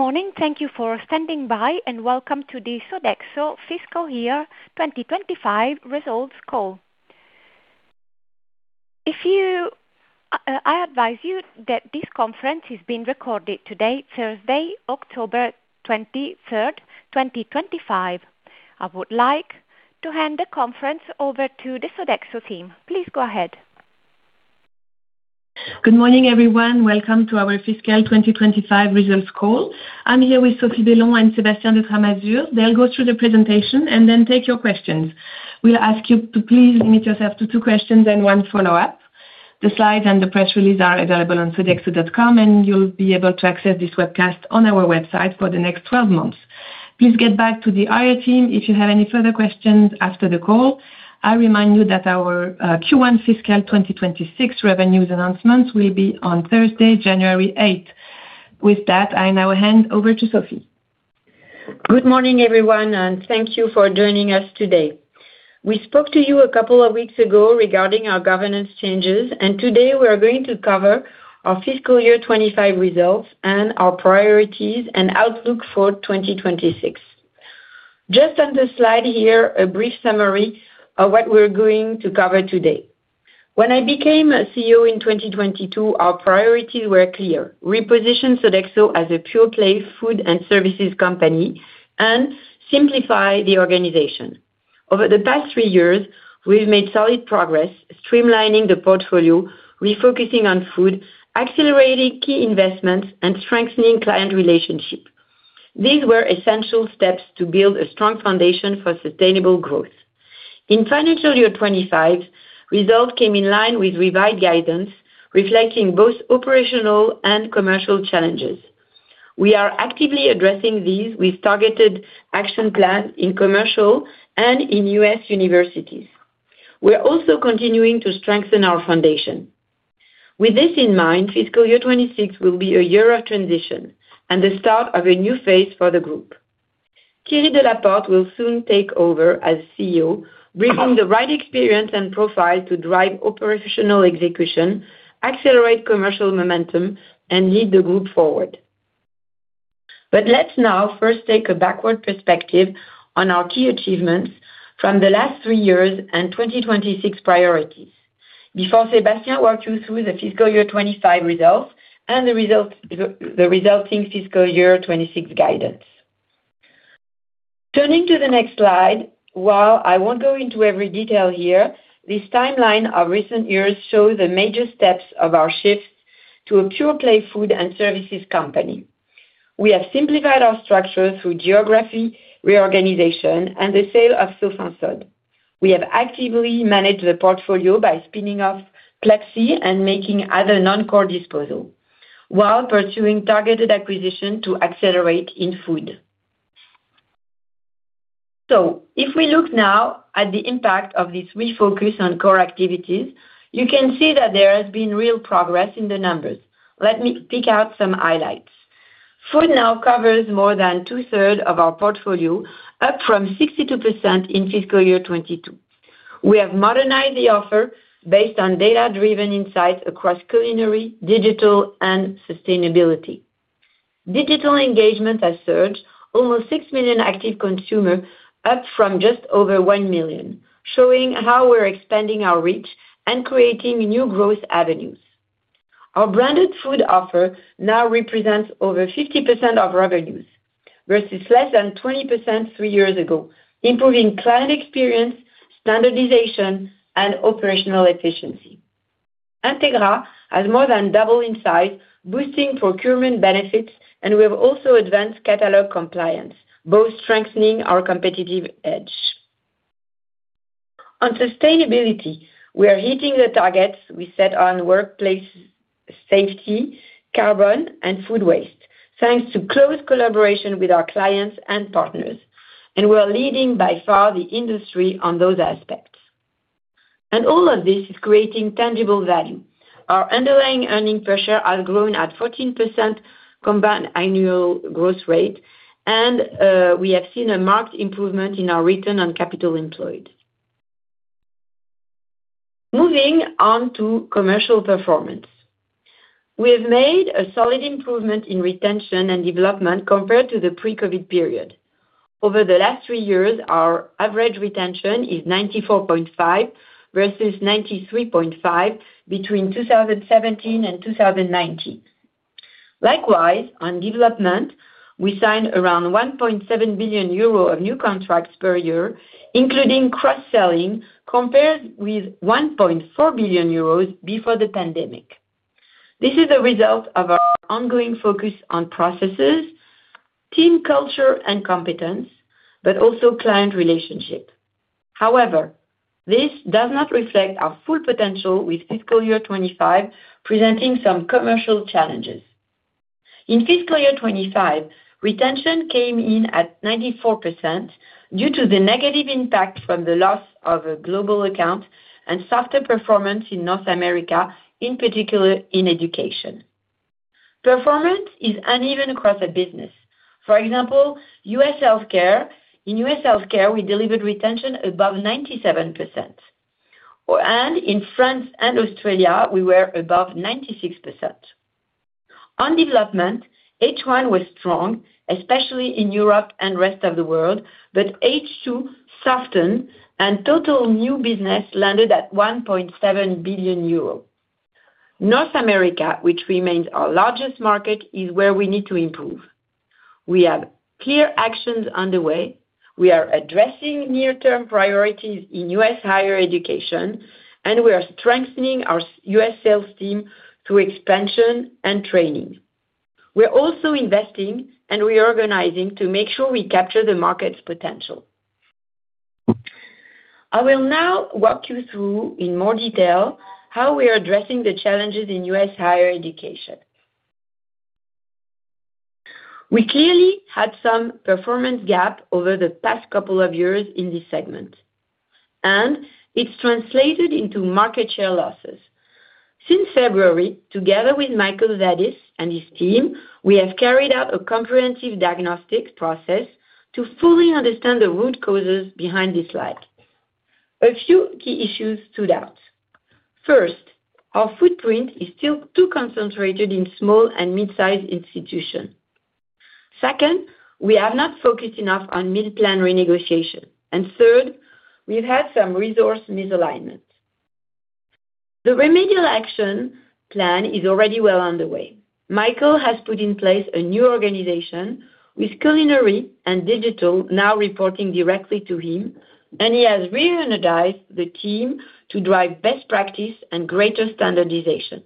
Good morning. Thank you for standing by and welcome to the Sodexo Fiscal Year 2025 Results Call. I advise you that this conference is being recorded today, Thursday, October 23, 2025. I would like to hand the conference over to the Sodexo team. Please go ahead. Good morning, everyone. Welcome to our Fiscal 2025 Results call. I'm here with Sophie Bellon and Sébastien de Tramasure. They'll go through the presentation and then take your questions. We'll ask you to please limit yourself to two questions and one follow-up. The slides and the press release are available on sodexo.com, and you'll be able to access this webcast on our website for the next 12 months. Please get back to the RA team if you have any further questions after the call. I remind you that our Q1 fiscal 2026 revenues announcements will be on Thursday, January 8. With that, I now hand over to Sophie. Good morning, everyone, and thank you for joining us today. We spoke to you a couple of weeks ago regarding our governance changes, and today we are going to cover our fiscal year 2025 results and our priorities and outlook for 2026. Just on the slide here, a brief summary of what we're going to cover today. When I became CEO in 2022, our priorities were clear: reposition Sodexo as a pure-play food and services company and simplify the organization. Over the past three years, we've made solid progress, streamlining the portfolio, refocusing on food, accelerating key investments, and strengthening client relationships. These were essential steps to build a strong foundation for sustainable growth. In financial year 2025, results came in line with revised guidance, reflecting both operational and commercial challenges. We are actively addressing these with targeted action plans in commercial and in U.S. universities. We're also continuing to strengthen our foundation. With this in mind, fiscal year 2026 will be a year of transition and the start of a new phase for the group. Thierry Delaporte will soon take over as CEO, bringing the right experience and profile to drive operational execution, accelerate commercial momentum, and lead the group forward. Let's now first take a backward perspective on our key achievements from the last three years and 2026 priorities before Sébastien walks you through the fiscal year 2025 results and the resulting fiscal year 2026 guidance. Turning to the next slide, while I won't go into every detail here, this timeline of recent years shows the major steps of our shift to a pure-play food and services company. We have simplified our structure through geography, reorganization, and the sale of sofasod. We have actively managed the portfolio by spinning off Pluxee and making other non-core disposal while pursuing targeted acquisition to accelerate in food. If we look now at the impact of this refocus on core activities, you can see that there has been real progress in the numbers. Let me pick out some highlights. Food now covers more than two-thirds of our portfolio, up from 62% in fiscal year 2022. We have modernized the offer based on data-driven insights across culinary, digital, and sustainability. Digital engagement has surged: almost 6 million active consumers, up from just over 1 million, showing how we're expanding our reach and creating new growth avenues. Our branded food offer now represents over 50% of revenues versus less than 20% three years ago, improving client experience, standardization, and operational efficiency. Integra has more than doubled in size, boosting procurement benefits, and we have also advanced catalog compliance, both strengthening our competitive edge. On sustainability, we are hitting the targets we set on workplace safety, carbon, and food waste, thanks to close collaboration with our clients and partners, and we're leading by far the industry on those aspects. All of this is creating tangible value. Our underlying earning pressure has grown at 14% combined annual growth rate, and we have seen a marked improvement in our return on capital employed. Moving on to commercial performance, we have made a solid improvement in retention and development compared to the pre-COVID period. Over the last three years, our average retention is 94.5% versus 93.5% between 2017 and 2019. Likewise, on development, we signed around 1.7 billion euro of new contracts per year, including cross-selling, compared with 1.4 billion euros before the pandemic. This is a result of our ongoing focus on processes, team culture, and competence, but also client relationships. However, this does not reflect our full potential, with fiscal year 2025 presenting some commercial challenges. In fiscal year 2025, retention came in at 94% due to the negative impact from the loss of a global account and softer performance in North America, in particular in education. Performance is uneven across the business. For example, in U.S. healthcare, we delivered retention above 97%, and in France and Australia, we were above 96%. On development, H1 was strong, especially in Europe and the rest of the world, but H2 softened, and total new business landed at 1.7 billion euros. North America, which remains our largest market, is where we need to improve. We have clear actions underway. We are addressing near-term priorities in U.S. higher education, and we are strengthening our U.S. sales team through expansion and training. We're also investing and reorganizing to make sure we capture the market's potential. I will now walk you through in more detail how we are addressing the challenges in U.S. higher education. We clearly had some performance gap over the past couple of years in this segment, and it's translated into market share losses. Since February, together with Michael Zadis and his team, we have carried out a comprehensive diagnostics process to fully understand the root causes behind this lag. A few key issues stood out. First, our footprint is still too concentrated in small and mid-sized institutions. Second, we have not focused enough on mid-plan renegotiation. Third, we've had some resource misalignment. The remedial action plan is already well underway. Michael has put in place a new organization with culinary and digital now reporting directly to him, and he has reorganized the team to drive best practice and greater standardization.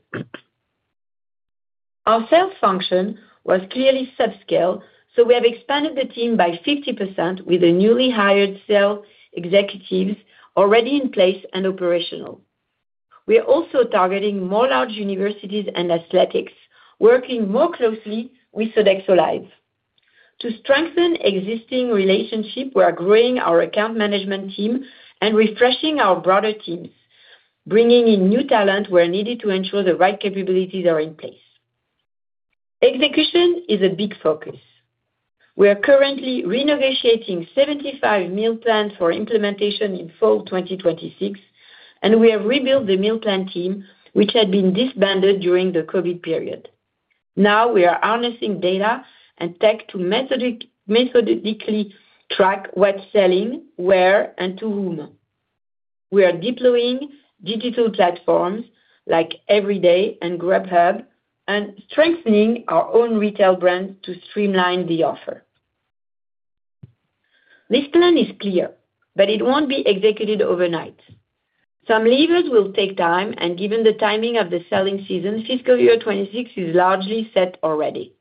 Our sales function was clearly subscaled, so we have expanded the team by 50% with the newly hired sales executives already in place and operational. We're also targeting more large universities and athletics, working more closely with Sodexo Live. To strengthen existing relationships, we are growing our account management team and refreshing our broader teams, bringing in new talent where needed to ensure the right capabilities are in place. Execution is a big focus. We are currently renegotiating 75 meal plans for implementation in fall 2026, and we have rebuilt the meal plan team, which had been disbanded during the COVID period. Now we are harnessing data and tech to methodically track what's selling, where, and to whom. We are deploying digital platforms like Everyday and Grubhub and strengthening our own retail brands to streamline the offer. This plan is clear, but it won't be executed overnight. Some levers will take time, and given the timing of the selling season, fiscal year 2026 is largely set already.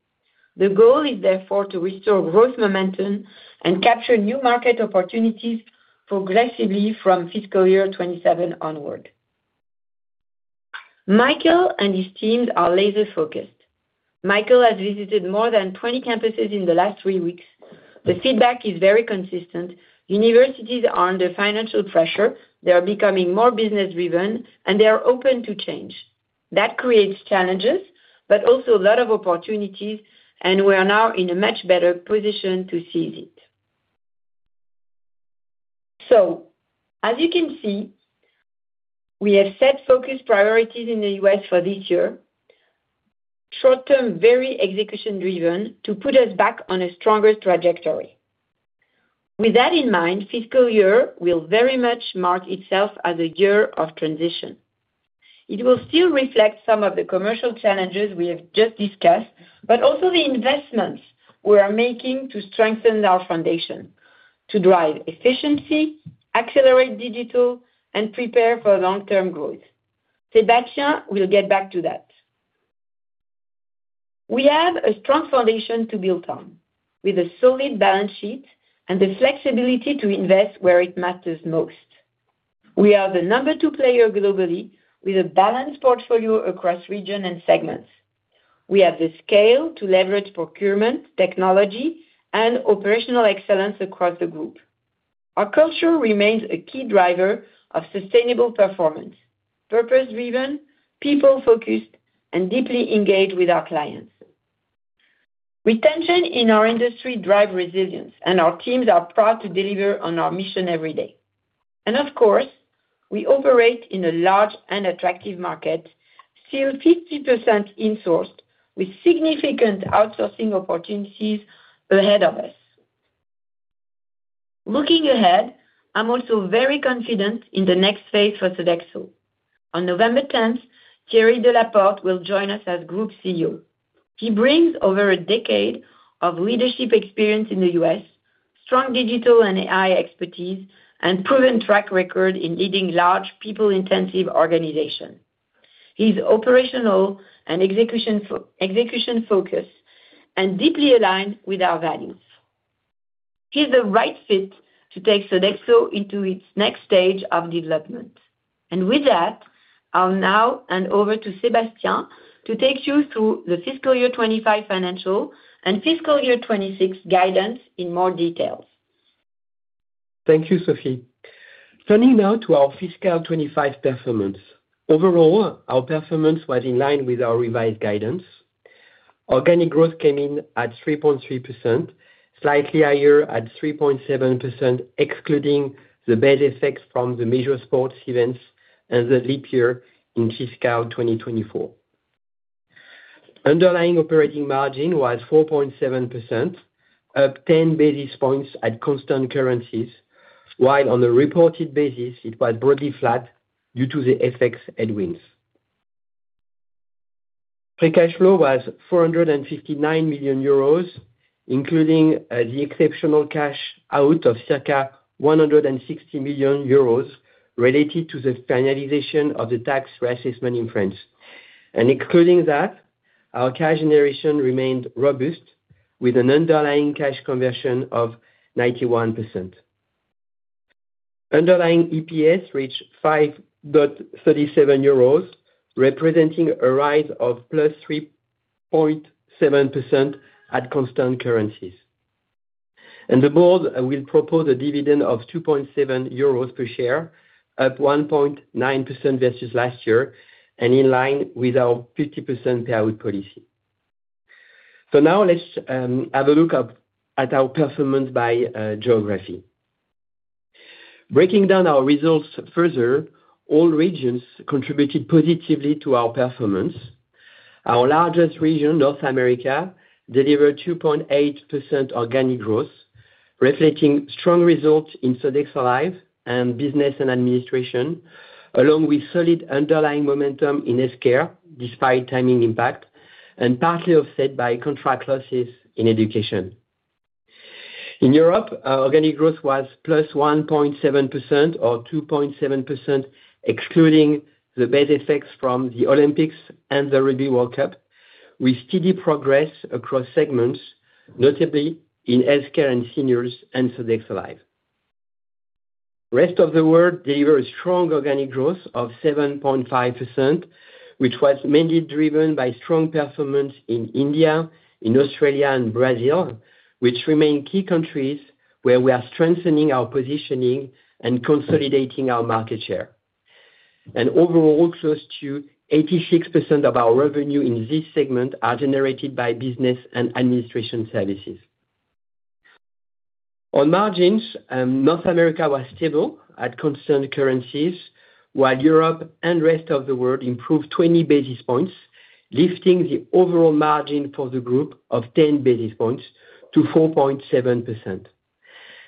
The goal is therefore to restore growth momentum and capture new market opportunities progressively from fiscal year 2027 onward. Michael and his team are laser-focused. Michael has visited more than 20 campuses in the last three weeks. The feedback is very consistent. Universities are under financial pressure. They are becoming more business-driven, and they are open to change. That creates challenges, but also a lot of opportunities, and we are now in a much better position to seize it. As you can see, we have set focus priorities in the U.S. for this year, short-term, very execution-driven to put us back on a stronger trajectory. With that in mind, fiscal year will very much mark itself as a year of transition. It will still reflect some of the commercial challenges we have just discussed, but also the investments we are making to strengthen our foundation, to drive efficiency, accelerate digital, and prepare for long-term growth. Sébastien will get back to that. We have a strong foundation to build on, with a solid balance sheet and the flexibility to invest where it matters most. We are the number two player globally with a balanced portfolio across region and segments. We have the scale to leverage procurement, technology, and operational excellence across the group. Our culture remains a key driver of sustainable performance: purpose-driven, people-focused, and deeply engaged with our clients. Retention in our industry drives resilience, and our teams are proud to deliver on our mission every day. Of course, we operate in a large and attractive market, still 50% insourced, with significant outsourcing opportunities ahead of us. Looking ahead, I'm also very confident in the next phase for Sodexo. On November 10, Thierry Delaporte will join us as Group CEO. He brings over a decade of leadership experience in the U.S., strong digital and AI expertise, and a proven track record in leading large people-intensive organizations. He's operational and execution-focused and deeply aligned with our values. He's the right fit to take Sodexo into its next stage of development. With that, I'll now hand over to Sébastien to take you through the fiscal year 2025 financial and fiscal year 2026 guidance in more details. Thank you, Sophie. Turning now to our fiscal 2025 performance. Overall, our performance was in line with our revised guidance. Organic growth came in at 3.3%, slightly higher at 3.7% excluding the bad effects from the major sports events and the dip year in fiscal 2024. Underlying operating margin was 4.7%, up 10 basis points at constant currencies, while on a reported basis, it was broadly flat due to the FX headwinds. Free cash flow was 459 million euros, including the exceptional cash out of circa 160 million euros related to the finalization of the tax reassessment in France. Excluding that, our cash generation remained robust, with an underlying cash conversion of 91%. Underlying EPS reached 5.37 euros, representing a rise of 3.7% at constant currencies. The board will propose a dividend of 2.70 euros per share, up 1.9% versus last year, and in line with our 50% payout policy. Now let's have a look at our performance by geography. Breaking down our results further, all regions contributed positively to our performance. Our largest region, North America, delivered 2.8% organic growth, reflecting strong results in Sodexo Live and business and administration, along with solid underlying momentum in healthcare despite timing impact, and partly offset by contract losses in education. In Europe, organic growth was 1.7% or 2.7% excluding the bad effects from the Olympics and the Rugby World Cup, with steady progress across segments, notably in healthcare and seniors and Sodexo Live. The rest of the world delivered a strong organic growth of 7.5%, which was mainly driven by strong performance in India, Australia, and Brazil, which remain key countries where we are strengthening our positioning and consolidating our market share. Overall, close to 86% of our revenue in this segment are generated by business and administration services. On margins, North America was stable at constant currencies, while Europe and the rest of the world improved 20 basis points, lifting the overall margin for the group 10 basis points to 4.7%.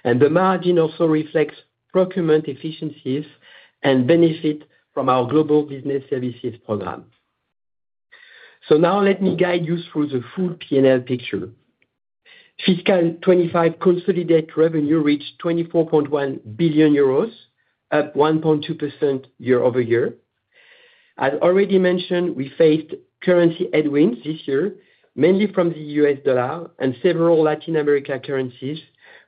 The margin also reflects procurement efficiencies and benefits from our global business services program. Now let me guide you through the full P&L picture. Fiscal 2025 consolidated revenue reached EUR 24.1 billion, up 1.2% year-over-year. As already mentioned, we faced currency headwinds this year, mainly from the U.S. dollar and several Latin American currencies,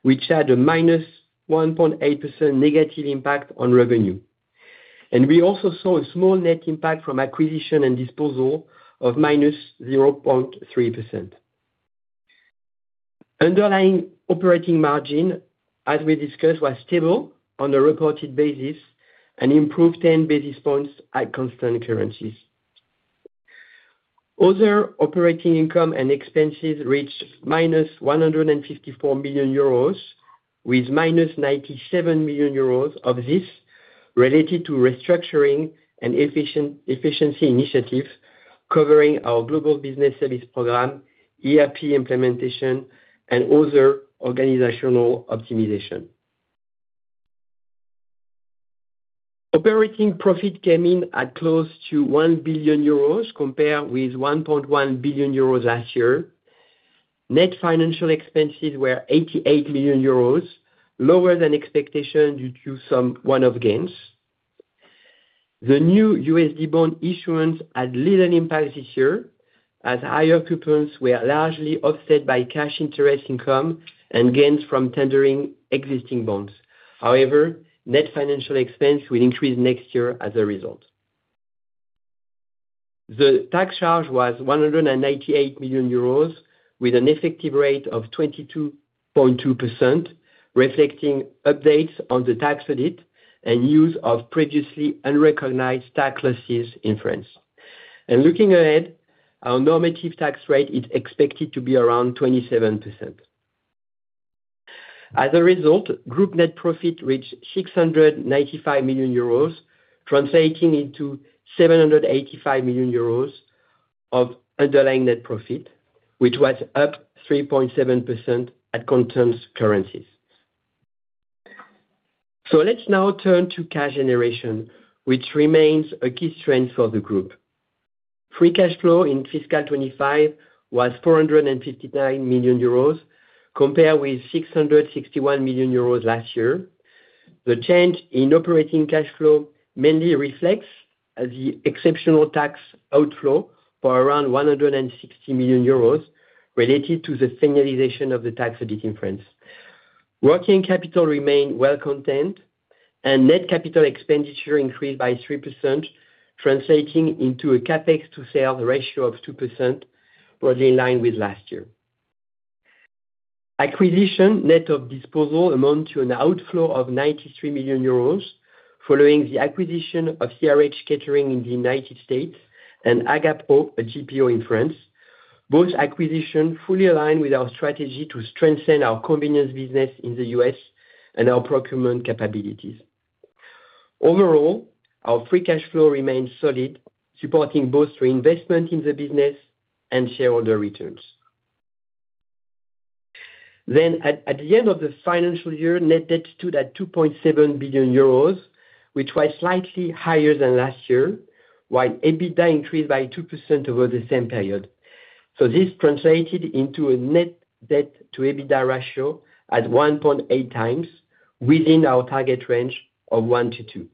which had a -1.8% negative impact on revenue. We also saw a small net impact from acquisition and disposal of -0.3%. Underlying operating margin, as we discussed, was stable on a reported basis and improved 10 basis points at constant currencies. Other operating income and expenses reached -154 million euros, with -97 million euros of this related to restructuring and efficiency initiatives covering our global business service program, ERP implementation, and other organizational optimization. Operating profit came in at close to 1 billion euros, compared with 1.1 billion euros last year. Net financial expenses were 88 million euros, lower than expectations due to some one-off gains. The new U.S. dollar notes issuance had little impact this year, as higher coupons were largely offset by cash interest income and gains from tendering existing bonds. However, net financial expense will increase next year as a result. The tax charge was 198 million euros, with an effective rate of 22.2%, reflecting updates on the tax audit and news of previously unrecognized tax losses in France. Looking ahead, our normative tax rate is expected to be around 27%. As a result, group net profit reached 695 million euros, translating into 785 million euros of underlying net profit, which was up 3.7% at constant currencies. Let's now turn to cash generation, which remains a key strength for the group. Free cash flow in fiscal 2025 was 459 million euros, compared with 661 million euros last year. The change in operating cash flow mainly reflects the exceptional tax outflow for around 160 million euros related to the finalization of the tax audit in France. Working capital remained well contained, and net capital expenditure increased by 3%, translating into a CapEx to sales ratio of 2%, broadly in line with last year. Acquisition net of disposal amounted to an outflow of 93 million euros following the acquisition of CRH Catering in the United States and Agapro, a GPO in France. Both acquisitions fully align with our strategy to strengthen our convenience business in the U.S. and our procurement capabilities. Overall, our free cash flow remains solid, supporting both reinvestment in the business and shareholder returns. At the end of the financial year, net debt stood at 2.7 billion euros, which was slightly higher than last year, while EBITDA increased by 2% over the same period. This translated into a net debt-to-EBITDA ratio at 1.8x within our target range of 1%-2%.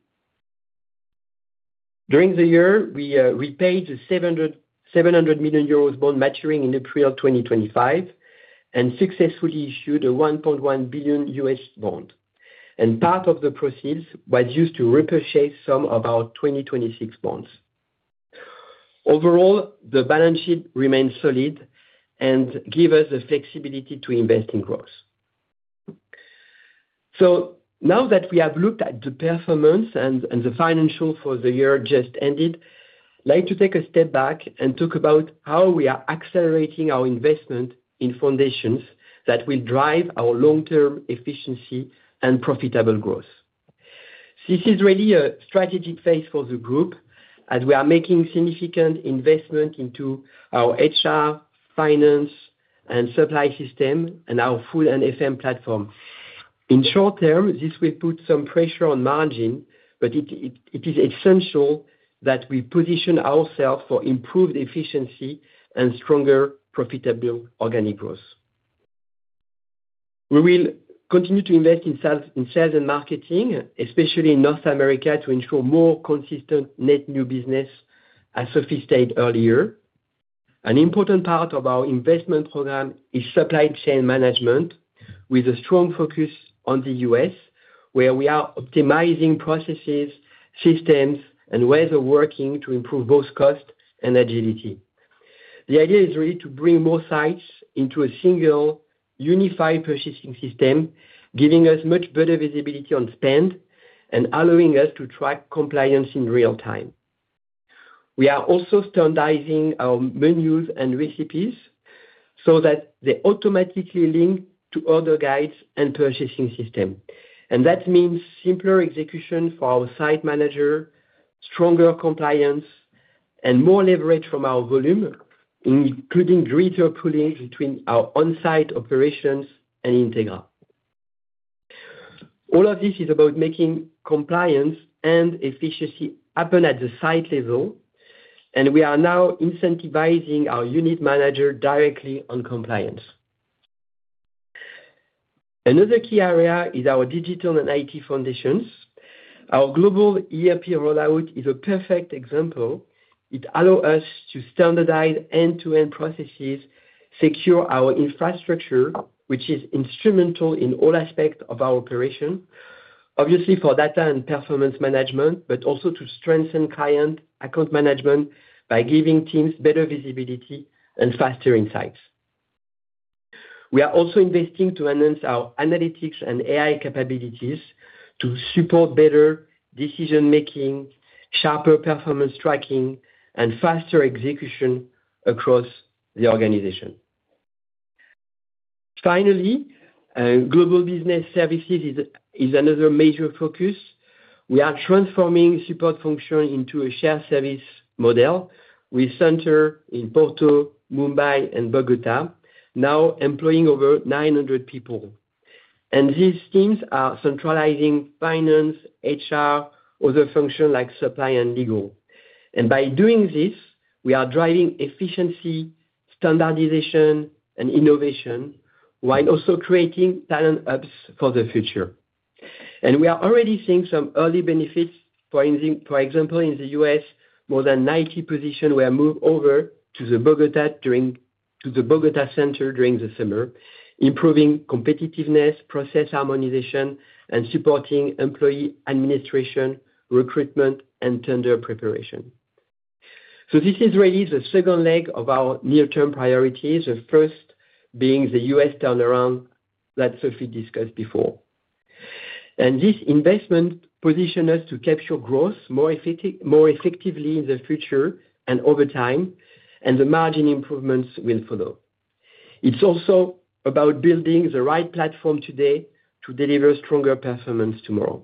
During the year, we repaid the 700 million euros bond maturing in April 2025 and successfully issued a $1.1 billion bond. Part of the proceeds was used to repurchase some of our 2026 bonds. Overall, the balance sheet remains solid and gives us the flexibility to invest in growth. Now that we have looked at the performance and the financials for the year just ended, I'd like to take a step back and talk about how we are accelerating our investment in foundations that will drive our long-term efficiency and profitable growth. This is really a strategic phase for the group, as we are making significant investments into our HR, finance, and supply system, and our food and FM platform. In the short term, this will put some pressure on margin, but it is essential that we position ourselves for improved efficiency and stronger profitable organic growth. We will continue to invest in sales and marketing, especially in North America, to ensure more consistent net new business, as Sophie stated earlier. An important part of our investment program is supply chain management, with a strong focus on the U.S., where we are optimizing processes, systems, and ways of working to improve both cost and agility. The idea is really to bring more sites into a single unified purchasing system, giving us much better visibility on spend and allowing us to track compliance in real time. We are also standardizing our menus and recipes so that they automatically link to order guides and purchasing systems. That means simpler execution for our site manager, stronger compliance, and more leverage from our volume, including greater pooling between our onsite operations and Integra. All of this is about making compliance and efficiency happen at the site level, and we are now incentivizing our unit manager directly on compliance. Another key area is our digital and IT foundations. Our global ERP rollout is a perfect example. It allows us to standardize end-to-end processes, secure our infrastructure, which is instrumental in all aspects of our operation, obviously for data and performance management, but also to strengthen client account management by giving teams better visibility and faster insights. We are also investing to enhance our analytics and AI capabilities to support better decision-making, sharper performance tracking, and faster execution across the organization. Finally, global business services is another major focus. We are transforming support functions into a shared service model with centers in Porto, Mumbai, and Bogotá, now employing over 900 people. These teams are centralizing finance, HR, and other functions like supply and legal. By doing this, we are driving efficiency, standardization, and innovation, while also creating talent hubs for the future. We are already seeing some early benefits. For example, in the U.S., more than 90 positions were moved over to the Bogotá center during the summer, improving competitiveness, process harmonization, and supporting employee administration, recruitment, and tender preparation. This is really the second leg of our near-term priorities, the first being the U.S. turnaround that Sophie discussed before. This investment positions us to capture growth more effectively in the future and over time, and the margin improvements will follow. It is also about building the right platform today to deliver stronger performance tomorrow.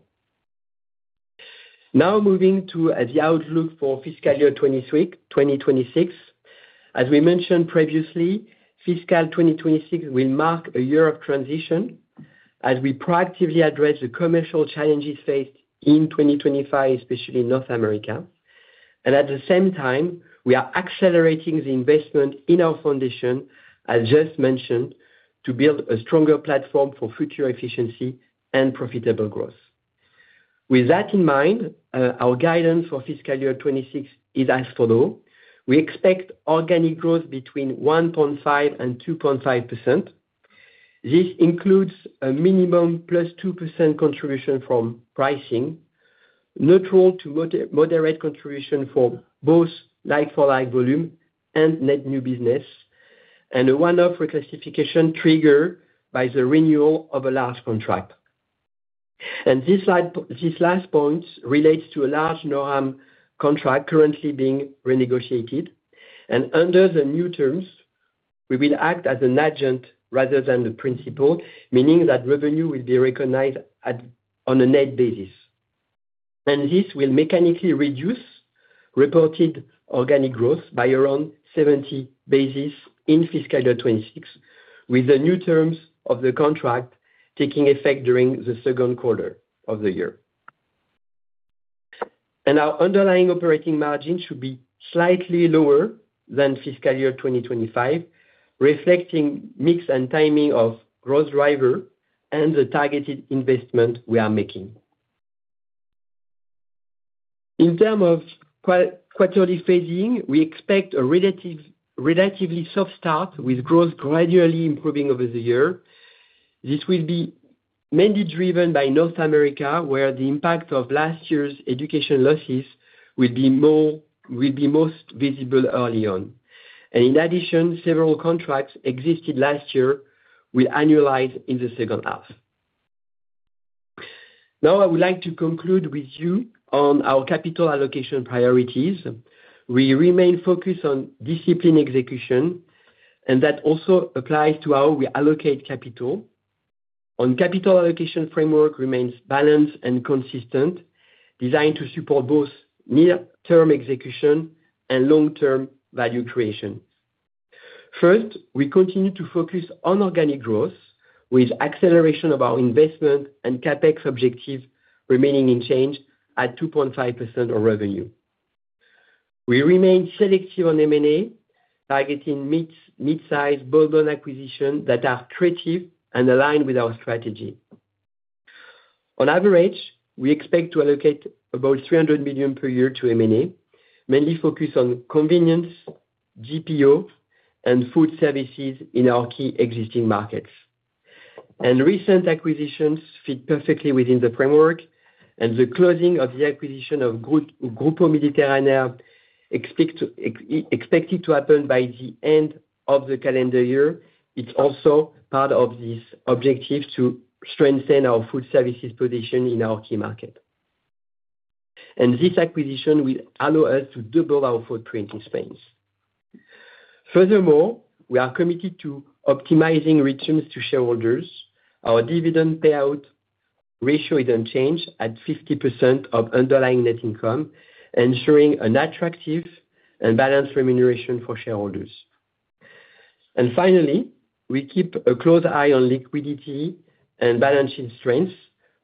Now moving to the outlook for fiscal year 2026. As we mentioned previously, fiscal 2026 will mark a year of transition as we proactively address the commercial challenges faced in 2025, especially in North America. At the same time, we are accelerating the investment in our foundation, as just mentioned, to build a stronger platform for future efficiency and profitable growth. With that in mind, our guidance for fiscal year 2026 is as follows. We expect organic growth between 1.5% and 2.5%. This includes a minimum +2% contribution from pricing, neutral to moderate contribution for both like-for-like volume and net new business, and a one-off reclassification triggered by the renewal of a large contract. This last point relates to a large North America contract currently being renegotiated. Under the new terms, we will act as an agent rather than the principal, meaning that revenue will be recognized on a net basis. This will mechanically reduce reported organic growth by around 70 basis points in fiscal year 2026, with the new terms of the contract taking effect during the second quarter of the year. Our underlying operating margin should be slightly lower than fiscal year 2025, reflecting mix and timing of growth drivers and the targeted investment we are making. In terms of quarterly phasing, we expect a relatively soft start with growth gradually improving over the year. This will be mainly driven by North America, where the impact of last year's education losses will be most visible early on. In addition, several contracts exited last year will annualize in the second half. Now I would like to conclude with you on our capital allocation priorities. We remain focused on disciplined execution, and that also applies to how we allocate capital. Our capital allocation framework remains balanced and consistent, designed to support both near-term execution and long-term value creation. First, we continue to focus on organic growth, with acceleration of our investment and CapEx objectives remaining unchanged at 2.5% of revenue. We remain selective on M&A, targeting mid-sized, bolt-on acquisitions that are accretive and aligned with our strategy. On average, we expect to allocate about 300 million per year to M&A, mainly focused on convenience, GPO, and food services in our key existing markets. Recent acquisitions fit perfectly within the framework, and the closing of the acquisition of Grupo Mediterránea is expected to happen by the end of the calendar year. It is also part of this objective to strengthen our food services position in our key market, and this acquisition will allow us to double our footprint in Spain. Furthermore, we are committed to optimizing returns to shareholders. Our dividend payout ratio is unchanged at 50% of underlying net income, ensuring an attractive and balanced remuneration for shareholders. Finally, we keep a close eye on liquidity and balance sheet strength,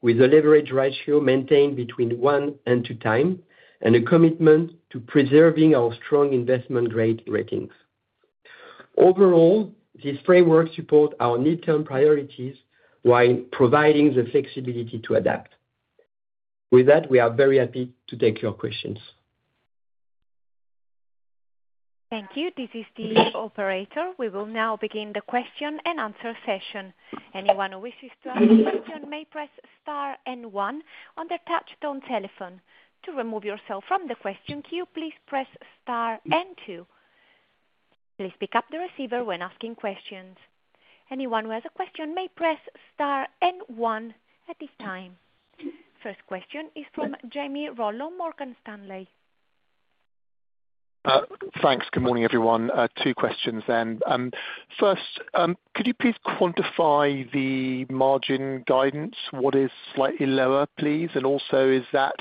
with a leverage ratio maintained between one and two times and a commitment to preserving our strong investment grade ratings. Overall, this framework supports our near-term priorities while providing the flexibility to adapt. With that, we are very happy to take your questions. Thank you. This is the operator. We will now begin the question and answer session. Anyone who wishes to ask a question may press star and one on the touch-tone telephone. To remove yourself from the question queue, please press star and two. Please pick up the receiver when asking questions. Anyone who has a question may press star and one at this time. First question is from Jamie Rollo on Morgan Stanley. Thanks. Good morning, everyone. Two questions then. First, could you please quantify the margin guidance? What is slightly lower, please? Also, is that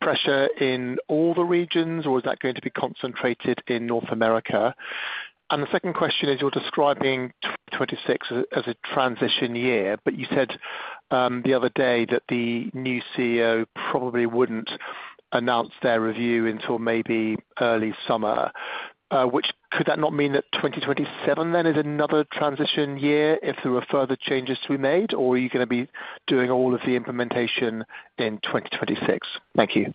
pressure in all the regions, or is that going to be concentrated in North America? The second question is, you're describing 2026 as a transition year, but you said the other day that the new CEO probably wouldn't announce their review until maybe early summer. Could that not mean that 2027 then is another transition year if there are further changes to be made, or are you going to be doing all of the implementation in 2026? Thank you.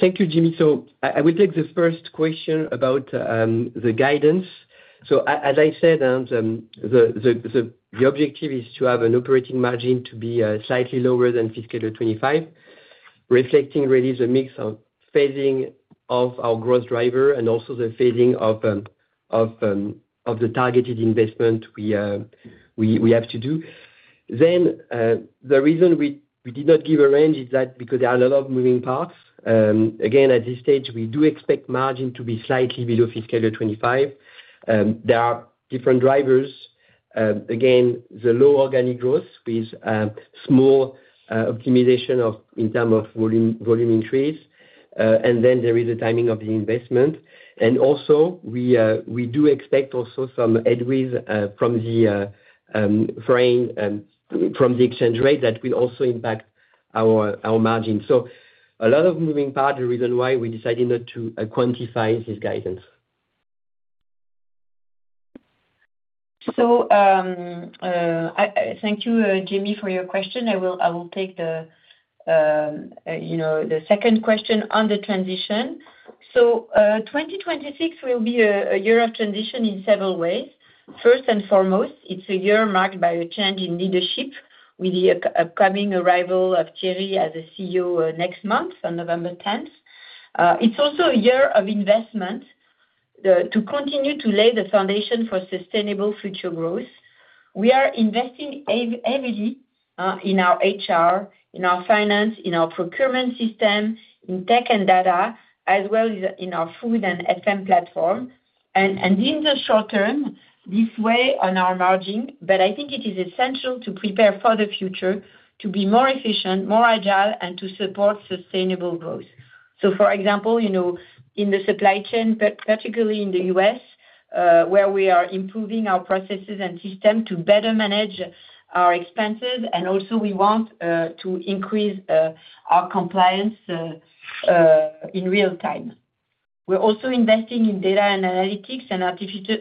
Thank you, Jamie. I would take the first question about the guidance. As I said, the objective is to have an operating margin to be slightly lower than fiscal year 2025, reflecting really the mix of phasing of our growth driver and also the phasing of the targeted investment we have to do. The reason we did not give a range is that there are a lot of moving parts. At this stage, we do expect margin to be slightly below fiscal year 2025. There are different drivers. The low organic growth with small optimization in terms of volume increase, and then there is a timing of the investment. We do expect also some headwinds from the exchange rate that will also impact our margin. A lot of moving parts, the reason why we decided not to quantify this guidance. Thank you, Jamie, for your question. I will take the second question on the transition. 2026 will be a year of transition in several ways. First and foremost, it's a year marked by a change in leadership with the upcoming arrival of Thierry as CEO next month on November 10, 2025. It's also a year of investment to continue to lay the foundation for sustainable future growth. We are investing heavily in our HR, in our finance, in our procurement system, in tech and data, as well as in our food and FM platform. In the short term, this weighs on our margin, but I think it is essential to prepare for the future to be more efficient, more agile, and to support sustainable growth. For example, in the supply chain, particularly in the U.S., we are improving our processes and systems to better manage our expenses, and also we want to increase our compliance in real time. We're also investing in data and analytics and artificial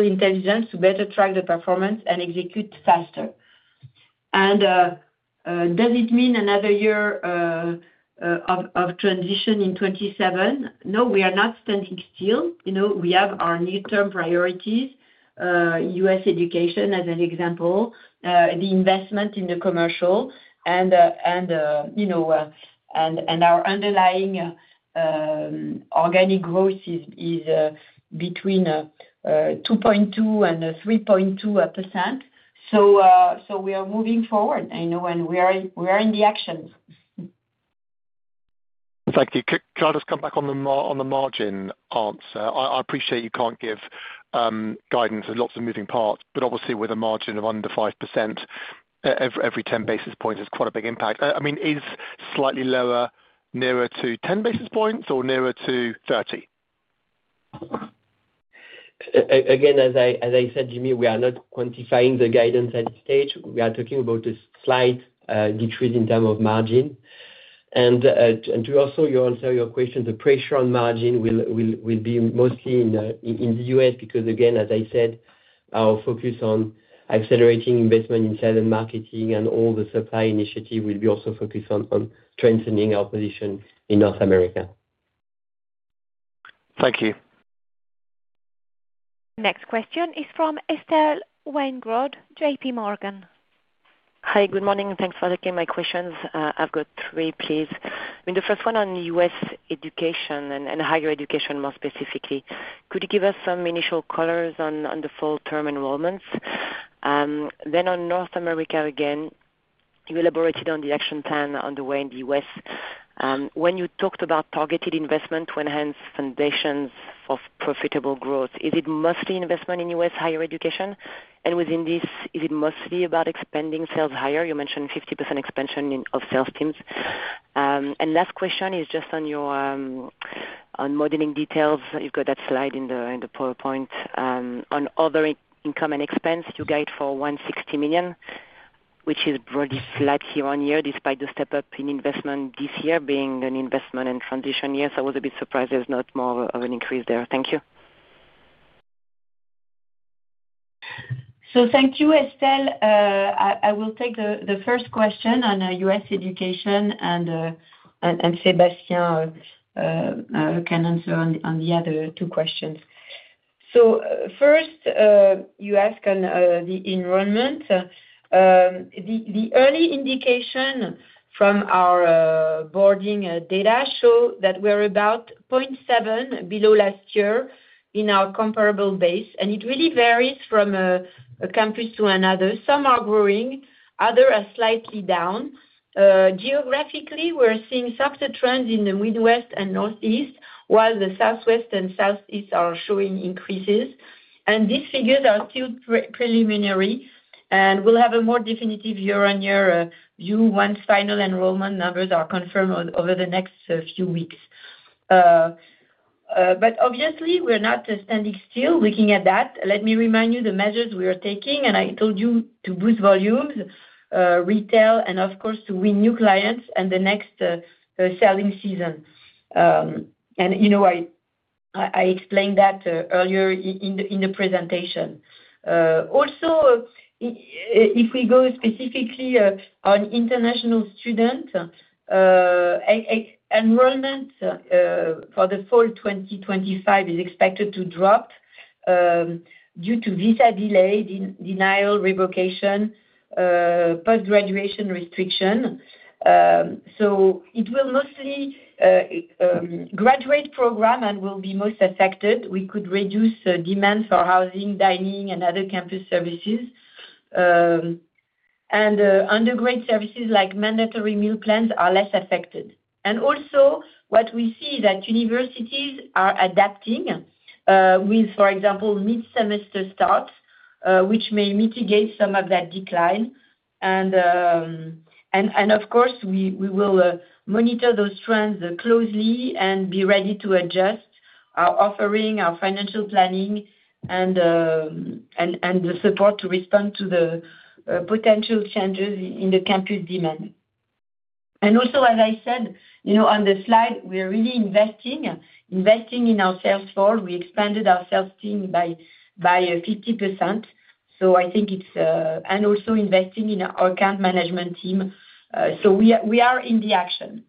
intelligence to better track the performance and execute faster. Does it mean another year of transition in 2027? No, we are not standing still. We have our near-term priorities, U.S. education as an example, the investment in the commercial, and our underlying organic growth is between 2.2% and 3.2%. We are moving forward. I know we are in the actions. Thank you. Can I just come back on the margin answer? I appreciate you can't give guidance and lots of moving parts, but obviously with a margin of under 5%, every 10 basis points is quite a big impact. I mean, is slightly lower nearer to 10 basis points or nearer to 30 basis points? Again, as I said, Jamie, we are not quantifying the guidance at this stage. We are talking about a slight decrease in terms of margin. To also answer your question, the pressure on margin will be mostly in the U.S. because, again, as I said, our focus on accelerating investment in sales and marketing and all the supply initiatives will be also focused on strengthening our position in North America. Thank you. Next question is from Estelle Weingrod, J.P. Morgan. Hi. Good morning. Thanks for taking my questions. I've got three, please. The first one on U.S. education and higher education more specifically. Could you give us some initial colors on the full-term enrollments? On North America again, you elaborated on the action plan underway in the U.S. When you talked about targeted investment to enhance foundations for profitable growth, is it mostly investment in U.S. higher education? Within this, is it mostly about expanding sales higher? You mentioned 50% expansion of sales teams. Last question is just on your modeling details. You've got that slide in the PowerPoint. On other income and expense, you guide for $160 million, which is broadly flat year on year despite the step-up in investment this year being an investment and transition year. I was a bit surprised there's not more of an increase there. Thank you. Thank you, Estelle. I will take the first question on U.S. education, and Sébastien can answer on the other two questions. First, you ask on the enrollment. The early indication from our boarding data shows that we're about 0.7% below last year in our comparable base, and it really varies from a campus to another. Some are growing, others are slightly down. Geographically, we're seeing subtle trends in the Midwest and Northeast, while the Southwest and Southeast are showing increases. These figures are still preliminary, and we'll have a more definitive year-on-year view once final enrollment numbers are confirmed over the next few weeks. Obviously, we're not standing still looking at that. Let me remind you the measures we are taking, and I told you to boost volumes, retail, and of course, to win new clients and the next selling season. You know I explained that earlier in the presentation. Also, if we go specifically on international students, enrollment for the fall 2025 is expected to drop due to visa delay, denial, revocation, post-graduation restriction. Mostly graduate programs will be most affected. We could reduce demand for housing, dining, and other campus services. Undergraduate services like mandatory meal plans are less affected. Also, what we see is that universities are adapting with, for example, mid-semester starts, which may mitigate some of that decline. Of course, we will monitor those trends closely and be ready to adjust our offering, our financial planning, and the support to respond to the potential changes in the campus demand. As I said, you know on the slide, we're really investing in our sales floor. We expanded our sales team by 50%. I think it's also investing in our account management team. We are in the action.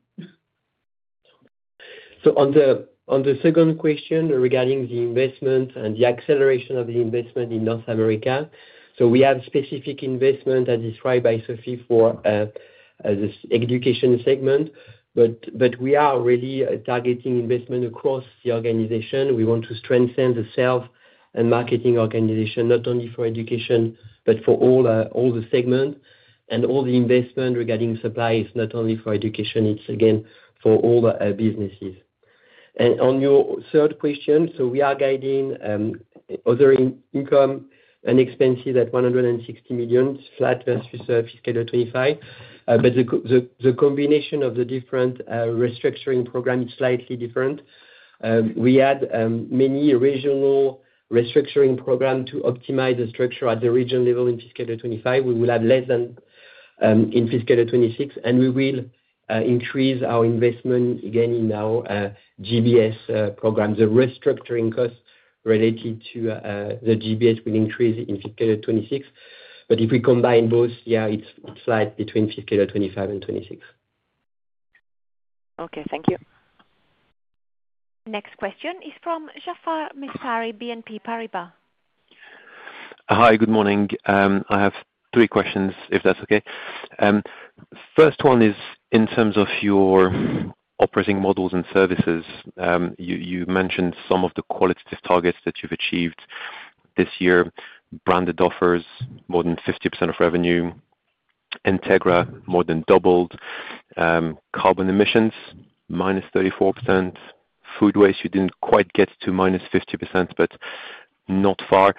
On the second question regarding the investment and the acceleration of the investment in North America, we have specific investment as described by Sophie for the education segment, but we are really targeting investment across the organization. We want to strengthen the sales and marketing organization, not only for education, but for all the segments. All the investment regarding supply is not only for education. It's, again, for all businesses. On your third question, we are guiding other income and expenses at $160 million, flat versus fiscal year 2025. The combination of the different restructuring programs is slightly different. We had many regional restructuring programs to optimize the structure at the region level in fiscal year 2025. We will have less than in fiscal year 2026, and we will increase our investment again in our GBS programs. The restructuring costs related to the GBS will increase in fiscal year 2026. If we combine both, it's slightly between fiscal year 2025 and 2026. Okay. Thank you. Next question is from Jaafar Mestari, BNP Paribas. Hi. Good morning. I have three questions, if that's okay. First one is in terms of your operating models and services. You mentioned some of the qualitative targets that you've achieved this year: branded offers, more than 50% of revenue; Integra more than doubled; carbon emissions, minus 34%; food waste, you didn't quite get to -50%, but not far.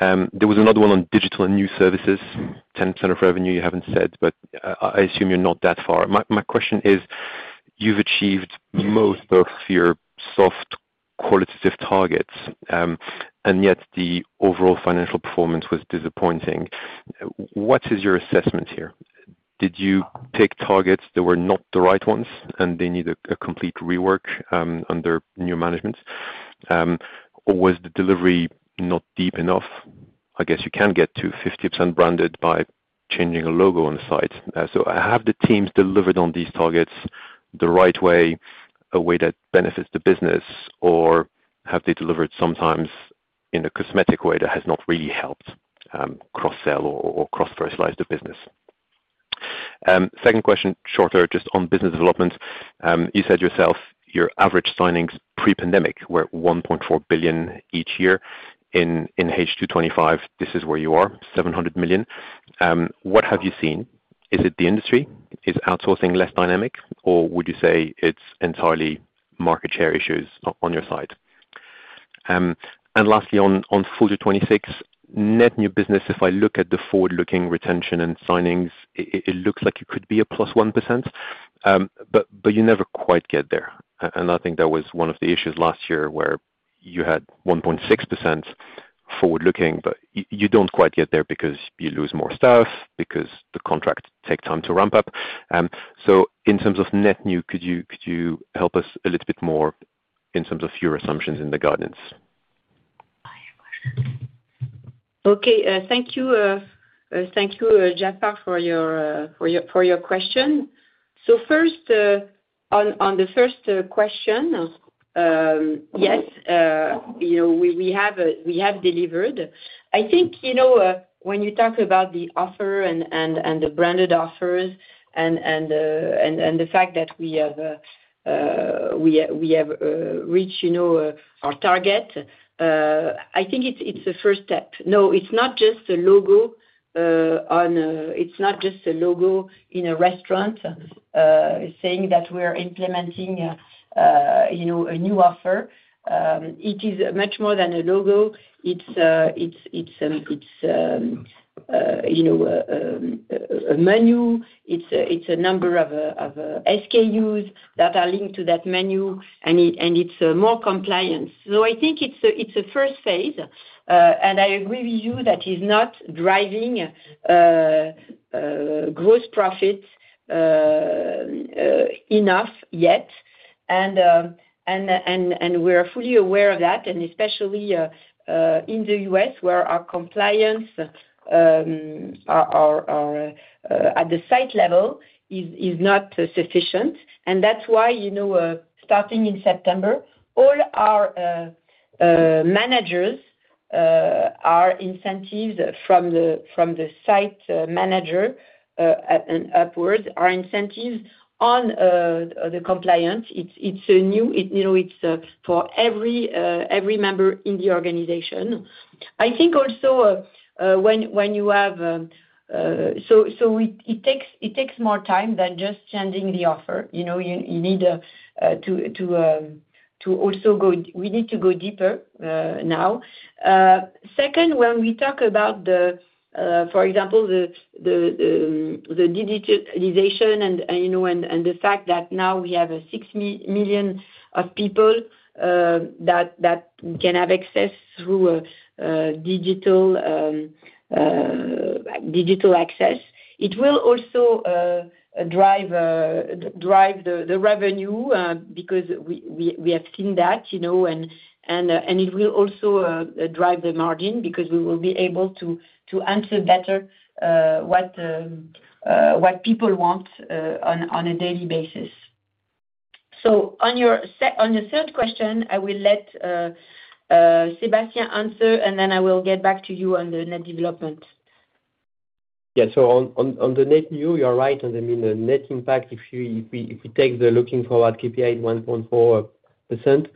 There was another one on digital and new services, 10% of revenue. You haven't said, but I assume you're not that far. My question is, you've achieved most of your soft qualitative targets, and yet the overall financial performance was disappointing. What is your assessment here? Did you pick targets that were not the right ones and they need a complete rework under new management? Or was the delivery not deep enough? I guess you can get to 50% branded by changing a logo on the site. Have the teams delivered on these targets the right way, a way that benefits the business, or have they delivered sometimes in a cosmetic way that has not really helped cross-sell or cross-fertilize the business? Second question, shorter, just on business development. You said yourself your average signings pre-pandemic were $1.4 billion each year. In H2 2025, this is where you are, $700 million. What have you seen? Is it the industry? Is outsourcing less dynamic, or would you say it's entirely market share issues on your side? Lastly, on full year 2026, net new business, if I look at the forward-looking retention and signings, it looks like it could be a +1%, but you never quite get there. I think that was one of the issues last year where you had 1.6% forward-looking, but you don't quite get there because you lose more staff, because the contracts take time to ramp up. In terms of net new, could you help us a little bit more in terms of your assumptions in the guidance? Okay. Thank you, Jaafar, for your question. First, on the first question, yes, you know we have delivered. I think you know when you talk about the offer and the branded offers and the fact that we have reached our target, I think it's the first step. No, it's not just a logo in a restaurant saying that we're implementing a new offer. It is much more than a logo. It's a menu. It's a number of SKUs that are linked to that menu, and it's more compliance. I think it's a first phase, and I agree with you that it's not driving gross profits enough yet. We are fully aware of that, especially in the U.S. where our compliance at the site level is not sufficient. That's why, starting in September, all our managers' incentives from the Site Manager and upwards are incentives on the compliance. It's new. It's for every member in the organization. I think also when you have, it takes more time than just sending the offer. You need to also go, we need to go deeper now. Second, when we talk about, for example, the digitalization and the fact that now we have 6 million people that can have access through digital access, it will also drive the revenue because we have seen that. It will also drive the margin because we will be able to answer better what people want on a daily basis. On your third question, I will let Sébastien answer, and then I will get back to you on the net development. Yeah. On the net new, you're right. I mean, the net impact, if we take the looking forward KPI at 1.4%,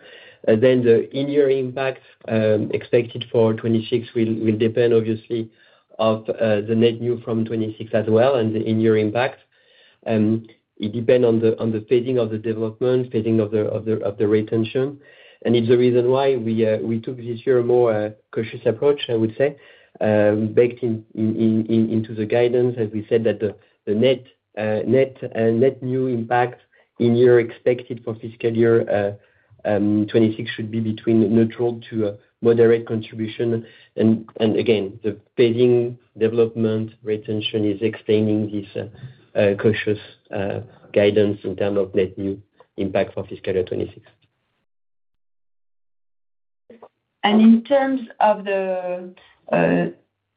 then the in-year impact expected for 2026 will depend, obviously, on the net new from 2026 as well and the in-year impact. It depends on the phasing of the development, phasing of the retention. It's the reason why we took this year a more cautious approach, I would say, baked into the guidance. As we said, the net new impact in year expected for fiscal year 2026 should be between neutral to moderate contribution. Again, the phasing, development, retention is explaining this cautious guidance in terms of net new impact for fiscal year 2026. In terms of the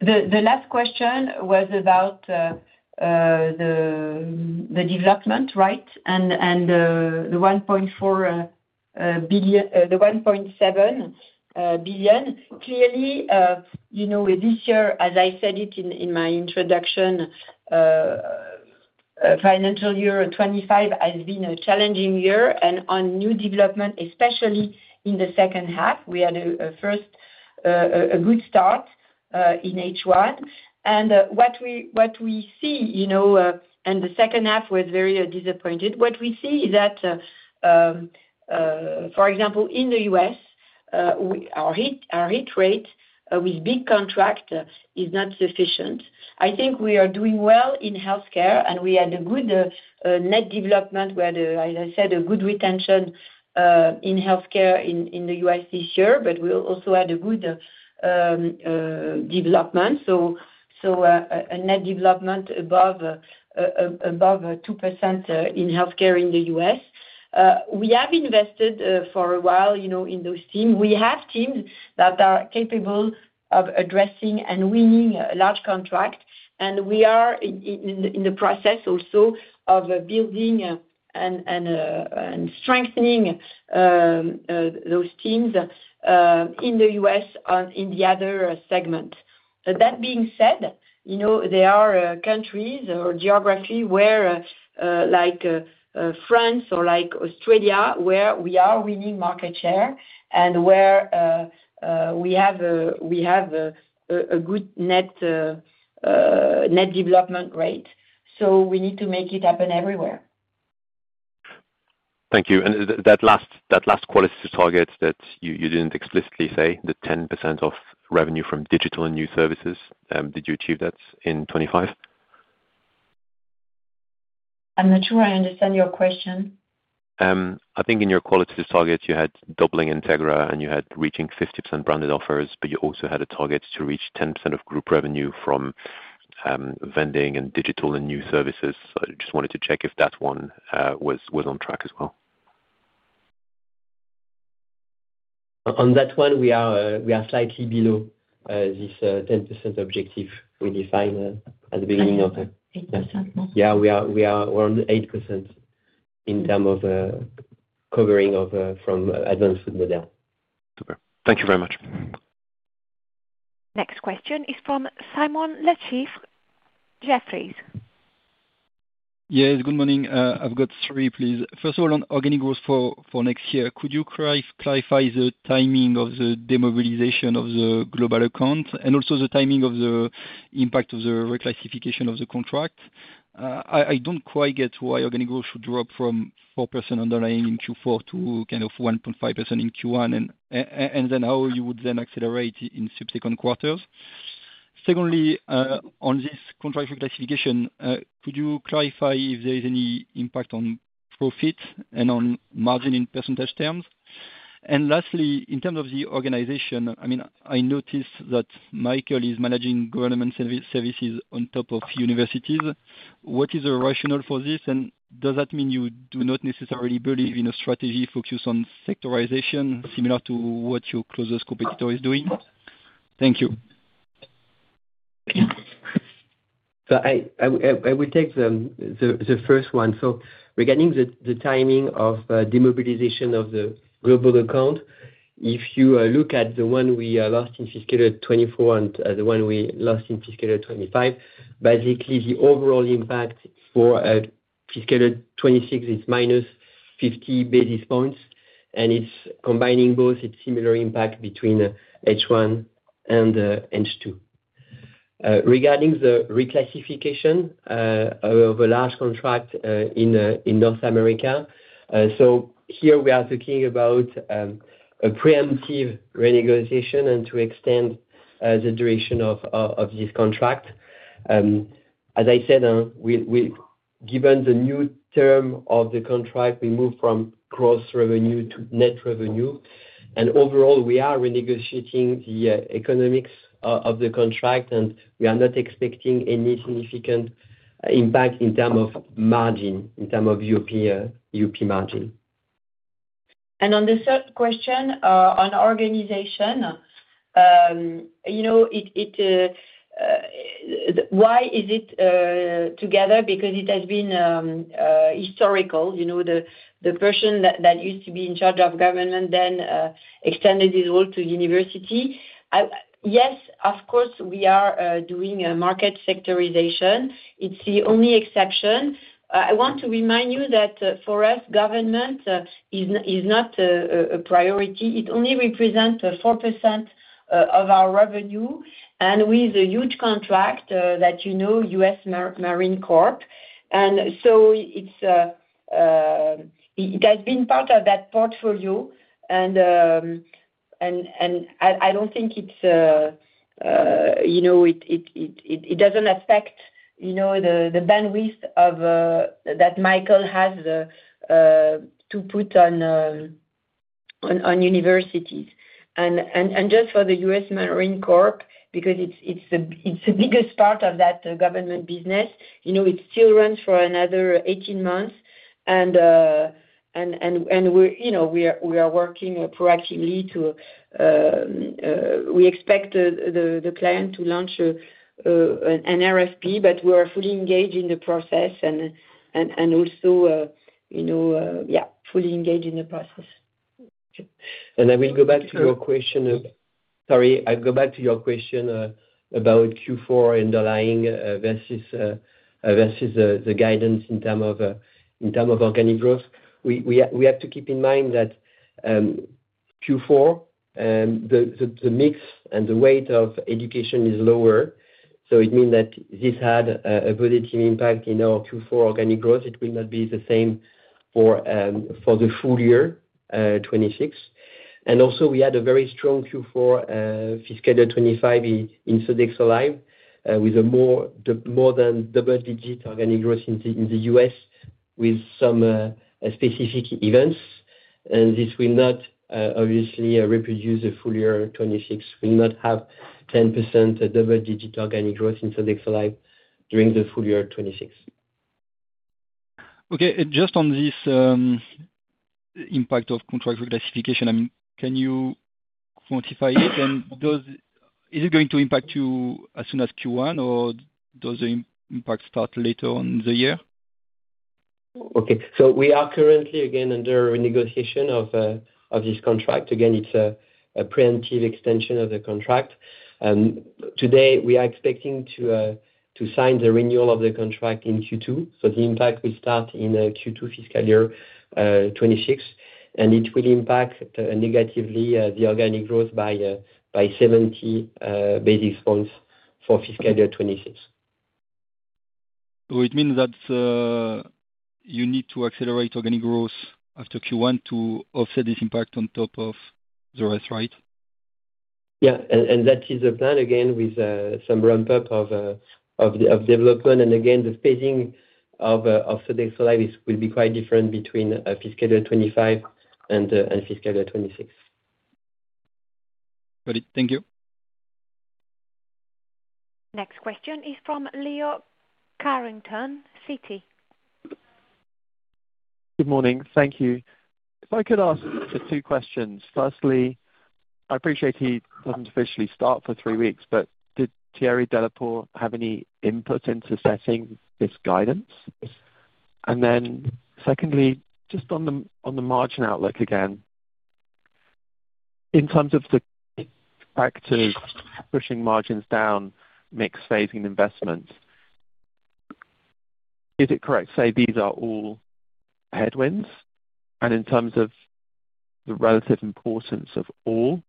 last question, it was about the development, right, and the $1.7 billion. Clearly, you know this year, as I said in my introduction, financial year 2025 has been a challenging year. On new development, especially in the second half, we had a first good start in H1. What we see, you know, is the second half was very disappointing. What we see is that, for example, in the U.S., our hit rate with big contracts is not sufficient. I think we are doing well in healthcare, and we had a good net development. We had, as I said, a good retention in healthcare in the U.S. this year, but we also had a good development. A net development above 2% in healthcare in the U.S. We have invested for a while in those teams. We have teams that are capable of addressing and winning large contracts. We are in the process also of building and strengthening those teams in the U.S. in the other segments. That being said, you know, there are countries or geographies like France or like Australia, where we are winning market share and where we have a good net development rate. We need to make it happen everywhere. Thank you. That last qualitative target that you didn't explicitly say, the 10% of revenue from digital and new services, did you achieve that in 2025? I'm not sure I understand your question. I think in your qualitative targets, you had doubling Integra, and you had reaching 50% branded offers, but you also had a target to reach 10% of group revenue from vending and digital and new services. I just wanted to check if that one was on track as well. On that one, we are slightly below this 10% objective we defined at the beginning. 8%, yeah. Yeah, we're on 8% in terms of covering from Advanced Food Model. Super. Thank you very much. Next question is from Simon Lechipre, Jefferies. Yes. Good morning. I've got three, please. First of all, on organic growth for next year, could you clarify the timing of the demobilization of the global account and also the timing of the impact of the reclassification of the contract? I don't quite get why organic growth should drop from 4% underlying in Q4 to kind of 1.5% in Q1, and then how you would then accelerate in subsequent quarters. Secondly, on this contract reclassification, could you clarify if there is any impact on profit and on margin in percentage terms? Lastly, in terms of the organization, I mean, I noticed that Michael is managing government services on top of universities. What is the rationale for this? Does that mean you do not necessarily believe in a strategy focused on sectorization similar to what your closest competitor is doing? Thank you. I would take the first one. Regarding the timing of demobilization of the global account, if you look at the one we lost in fiscal year 2024 and the one we lost in fiscal year 2025, basically, the overall impact for fiscal year 2026 is -50 basis points, and it's combining both its similar impact between H1 and H2. Regarding the reclassification of a large contract in North America, here we are talking about a preemptive renegotiation to extend the duration of this contract. As I said, given the new term of the contract, we move from gross revenue to net revenue. Overall, we are renegotiating the economics of the contract, and we are not expecting any significant impact in terms of margin, in terms of UP margin. On the third question, on organization, you know why is it together? Because it has been historical. The person that used to be in charge of government then extended his role to university. Yes, of course, we are doing a market sectorization. It's the only exception. I want to remind you that for us, government is not a priority. It only represents 4% of our revenue, and we have a huge contract that you know, U.S. Marine Corps. It has been part of that portfolio, and I don't think it affects the bandwidth that Michael has to put on universities. Just for the U.S. Marine Corps, because it's the biggest part of that government business, it still runs for another 18 months. We are working proactively to expect the client to launch an RFP, but we are fully engaged in the process and also, you know, fully engaged in the process. I will go back to your question. Sorry. I'll go back to your question about Q4 underlying versus the guidance in terms of organic growth. We have to keep in mind that Q4, the mix and the weight of education is lower. It means that this had a positive impact in our Q4 organic growth. It will not be the same for the full year 2026. We had a very strong Q4 fiscal year 2025 in Sodexo Live with a more than double-digit organic growth in the U.S. with some specific events. This will not obviously reproduce the full year 2026. We will not have 10% double-digit organic growth in Sodexo Live during the full year 2026. Okay. Just on this impact of contract reclassification, can you quantify it? Is it going to impact you as soon as Q1, or does the impact start later on in the year? Okay. We are currently, again, under renegotiation of this contract. It's a preemptive extension of the contract. Today, we are expecting to sign the renewal of the contract in Q2. The impact will start in Q2 fiscal year 2026, and it will impact negatively the organic growth by 70 basis points for fiscal year 2026. It means that you need to accelerate organic growth after Q1 to offset this impact on top of the rest, right? Yes, that is the plan, with some ramp-up of development. The phasing of Sodexo Live will be quite different between fiscal year 2025 and fiscal year 2026. Got it. Thank you. Next question is from Leo Carrington, Citi. Good morning. Thank you. If I could ask just two questions. Firstly, I appreciate he doesn't officially start for three weeks, but did Thierry Delaporte have any input into setting this guidance? Secondly, just on the margin outlook again, in terms of the factors pushing margins down, mixed phasing investments, is it correct to say these are all headwinds? In terms of the relative importance of all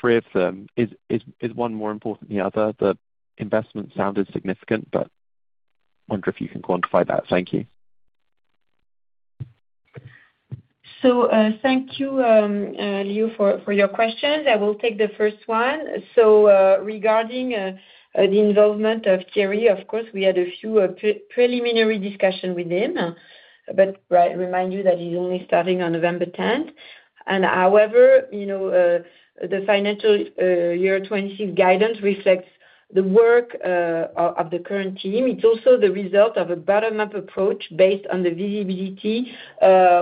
three of them, is one more important than the other? The investment sounded significant, but I wonder if you can quantify that. Thank you. Thank you, Leo, for your questions. I will take the first one. Regarding the involvement of Thierry, of course, we had a few preliminary discussions with him. I remind you that he's only starting on November 10, 2025. However, you know the financial year 2026 guidance reflects the work of the current team. It's also the result of a bottom-up approach based on the visibility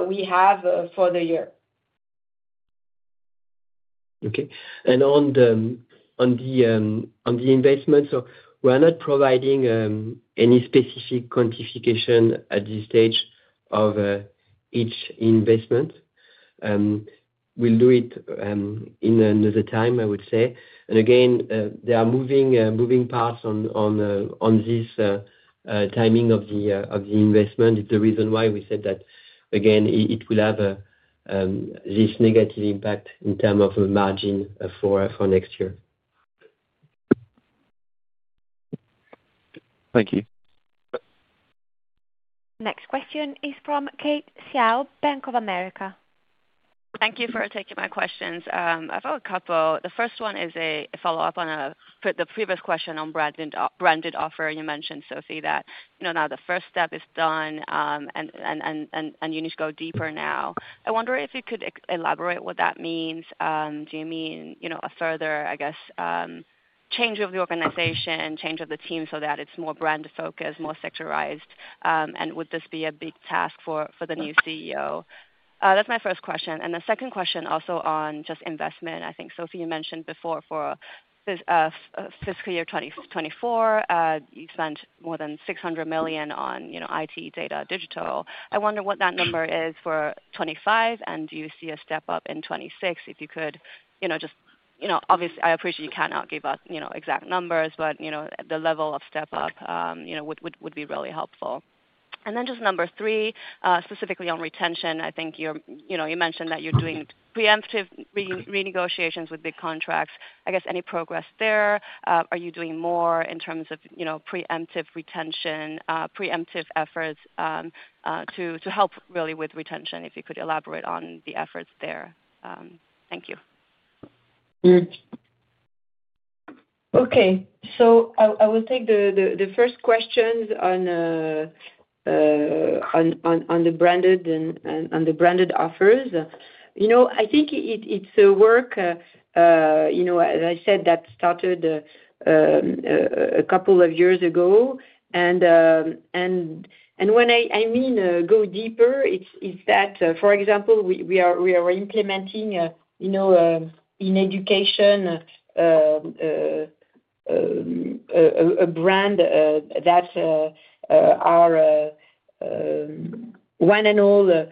we have for the year. Okay. On the investment, we are not providing any specific quantification at this stage of each investment. We'll do it at another time, I would say. There are moving parts on this timing of the investment. It's the reason why we said that it will have this negative impact in terms of margin for next year. Thank you. Next question is from Kate Xiao, Bank of America. Thank you for taking my questions. I've got a couple. The first one is a follow-up on the previous question on branded offer. You mentioned, Sophie, that now the first step is done, and you need to go deeper now. I wonder if you could elaborate what that means. Do you mean a further, I guess, change of the organization, change of the team so that it's more brand-focused, more sectorized? Would this be a big task for the new CEO? That's my first question. The second question also on just investment. I think, Sophie, you mentioned before for fiscal year 2024, you spent more than $600 million on IT data digital. I wonder what that number is for 2025, and do you see a step-up in 2026? If you could, you know, just obviously, I appreciate you cannot give out exact numbers, but you know the level of step-up would be really helpful. Number three, specifically on retention. I think you mentioned that you're doing preemptive renegotiations with big contracts. Any progress there? Are you doing more in terms of preemptive retention, preemptive efforts to help really with retention? If you could elaborate on the efforts there. Thank you. Okay. I will take the first question on the branded offers. I think it's a work, as I said, that started a couple of years ago. When I mean go deeper, it's that, for example, we are implementing, in education, a brand that's our One and All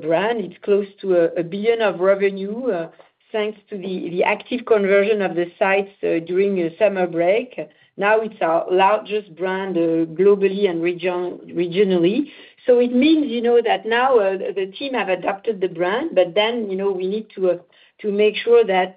brand. It's close to $1 billion of revenue thanks to the active conversion of the sites during summer break. Now it's our largest brand globally and regionally. It means that now the team has adopted the brand, but then we need to make sure that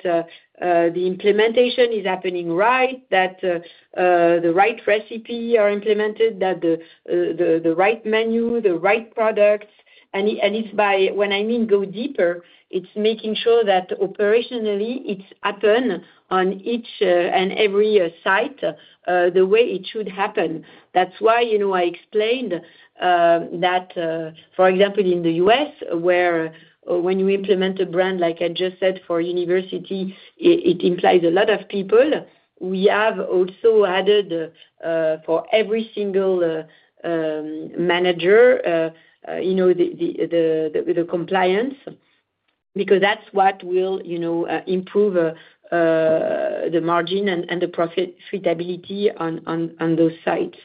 the implementation is happening right, that the right recipes are implemented, that the right menu, the right products. When I mean go deeper, it's making sure that operationally it happens on each and every site the way it should happen. That's why I explained that, for example, in the U.S., where when you implement a brand, like I just said, for university, it implies a lot of people. We have also added for every single manager the compliance because that's what will improve the margin and the profitability on those sites.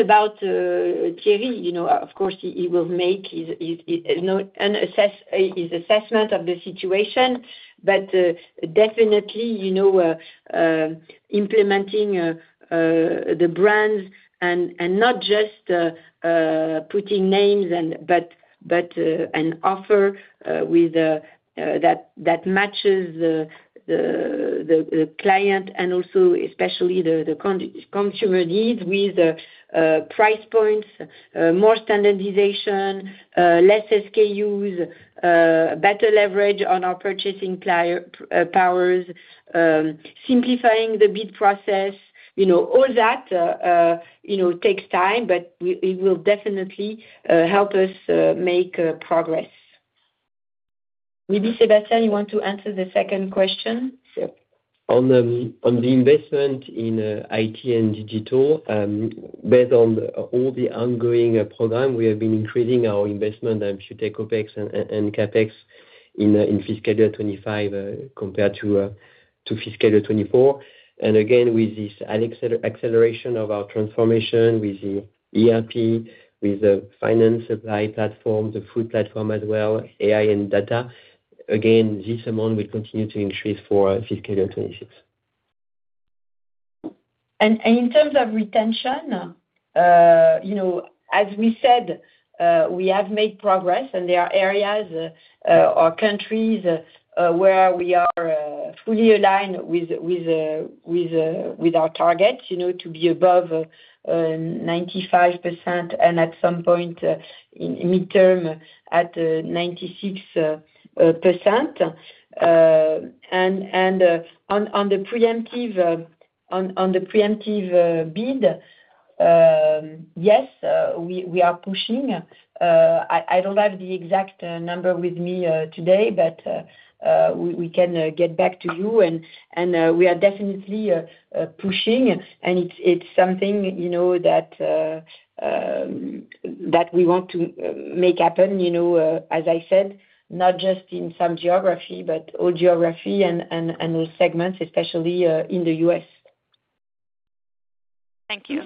About Thierry, of course, he will make his assessment of the situation, but definitely, implementing the brands and not just putting names but an offer that matches the client and also especially the consumer needs with price points, more standardization, fewer SKUs, better leverage on our purchasing powers, simplifying the bid process. All that takes time, but it will definitely help us make progress. Maybe, Sébastien, you want to answer the second question? Sure. On the investment in IT and digital, based on all the ongoing programs, we have been increasing our investment, and if you take OpEx and CapEx in fiscal year 2025 compared to fiscal year 2024, with this acceleration of our transformation with the ERP, with the finance supply platform, the food platform as well, AI, and data, this amount will continue to increase for fiscal year 2026. In terms of retention, as we said, we have made progress, and there are areas or countries where we are fully aligned with our targets to be above 95% and at some point in the mid-term at 96%. On the preemptive bid, yes, we are pushing. I don't have the exact number with me today, but we can get back to you. We are definitely pushing, and it's something that we want to make happen, as I said, not just in some geography, but all geography and all segments, especially in the U.S. Thank you.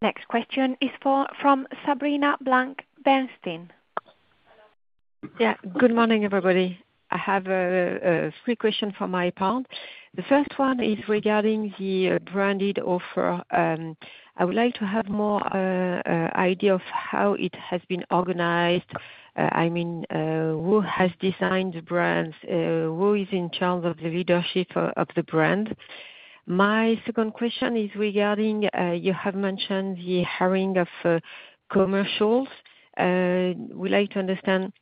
Next question is from Sabrina Blanc, Bernstein. Good morning, everybody. I have three questions for my part. The first one is regarding the branded offer. I would like to have more ideas of how it has been organized. I mean, who has designed the brands? Who is in charge of the leadership of the brand? My second question is regarding, you have mentioned the hiring of commercials. We like to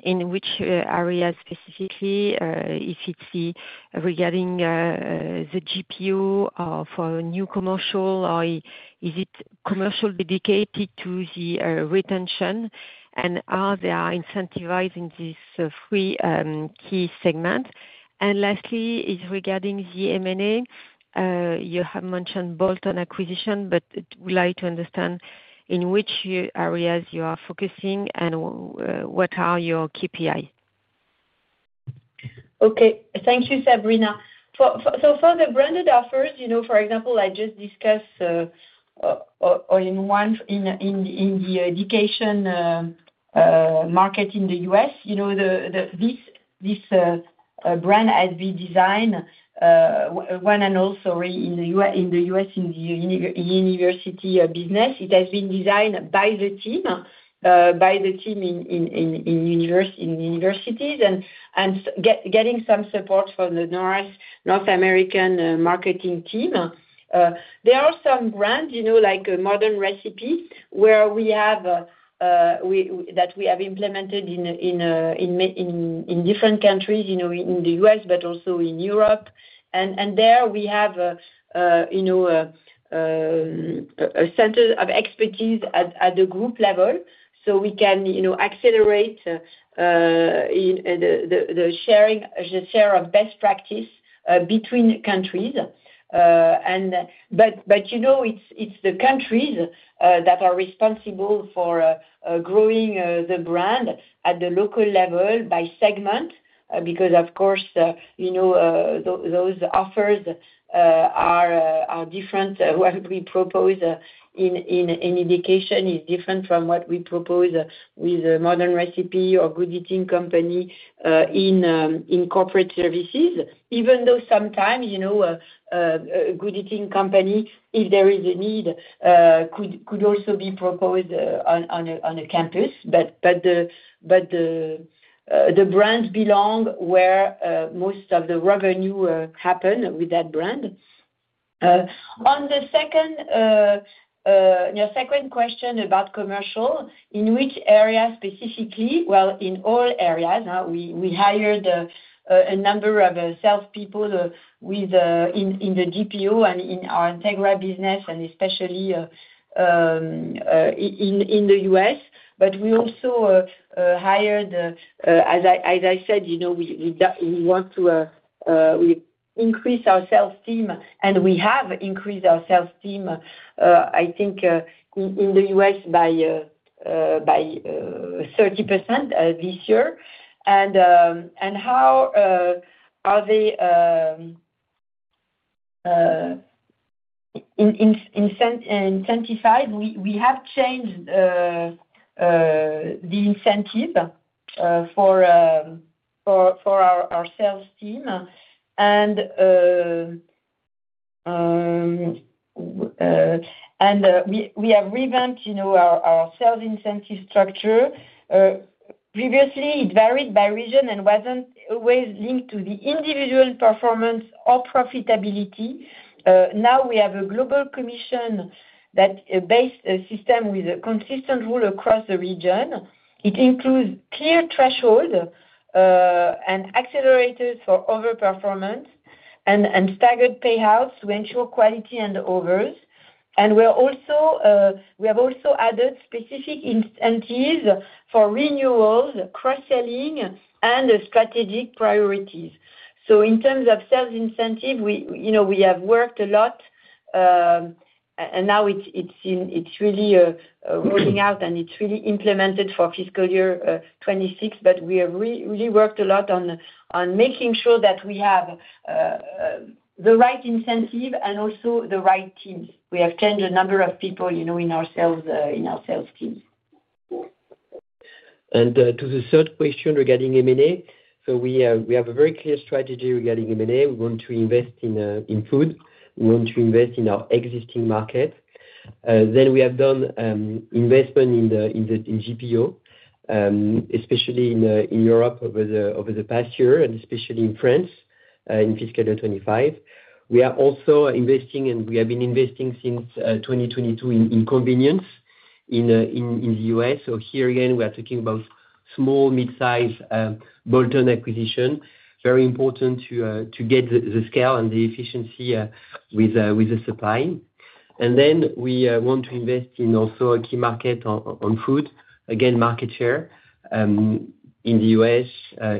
understand in which areas specifically, if it's regarding the GPO for a new commercial, or is it commercial dedicated to the retention? Are they incentivizing this free key segment? Lastly, it's regarding the M&A. You have mentioned bolt-on M&A, but we like to understand in which areas you are focusing and what are your KPIs. Okay. Thank you, Sabrina. For the branded offers, for example, I just discussed in the education market in the U.S., this brand has been designed one and all, sorry, in the U.S. in the university business. It has been designed by the team in universities, and getting some support from the North American marketing team. There are some brands, like Modern Recipe, that we have implemented in different countries, in the U.S., but also in Europe. There, we have a center of expertise at the group level so we can accelerate the sharing of best practice between countries. It is the countries that are responsible for growing the brand at the local level by segment because, of course, those offers are different. What we propose in education is different from what we propose with Modern Recipe or Good Eating Company in corporate services. Even though sometimes a Good Eating Company, if there is a need, could also be proposed on a campus, the brands belong where most of the revenue happens with that brand. On the second question about commercial, in which area specifically? In all areas. We hired a number of salespeople in the GPO and in our Integra business, especially in the U.S. We also hired, as I said, we want to increase our sales team, and we have increased our sales team, I think, in the U.S. by 30% this year. And how are they? We have changed the incentive for our sales team. We have revamped our sales incentive structure. Previously, it varied by region and wasn't always linked to individual performance or profitability. Now we have a global commission-based system with a consistent rule across the region. It includes clear thresholds, accelerators for overperformance, and staggered payouts to ensure quality and overs. We have also added specific incentives for renewals, cross-selling, and strategic priorities. In terms of sales incentive, we have worked a lot, and now it's really rolling out and it's really implemented for fiscal year 2026. We have really worked a lot on making sure that we have the right incentive and also the right teams. We have changed the number of people in our sales teams. To the third question regarding M&A, we have a very clear strategy regarding M&A. We want to invest in food. We want to invest in our existing market. We have done investment in GPO, especially in Europe over the past year and especially in France, in fiscal year 2025. We are also investing, and we have been investing since 2022, in convenience in the U.S. Here again, we are talking about small, mid-sized, bolt-on acquisition. Very important to get the scale and the efficiency with the supply. We want to invest in also a key market on food. Again, market share in the U.S.,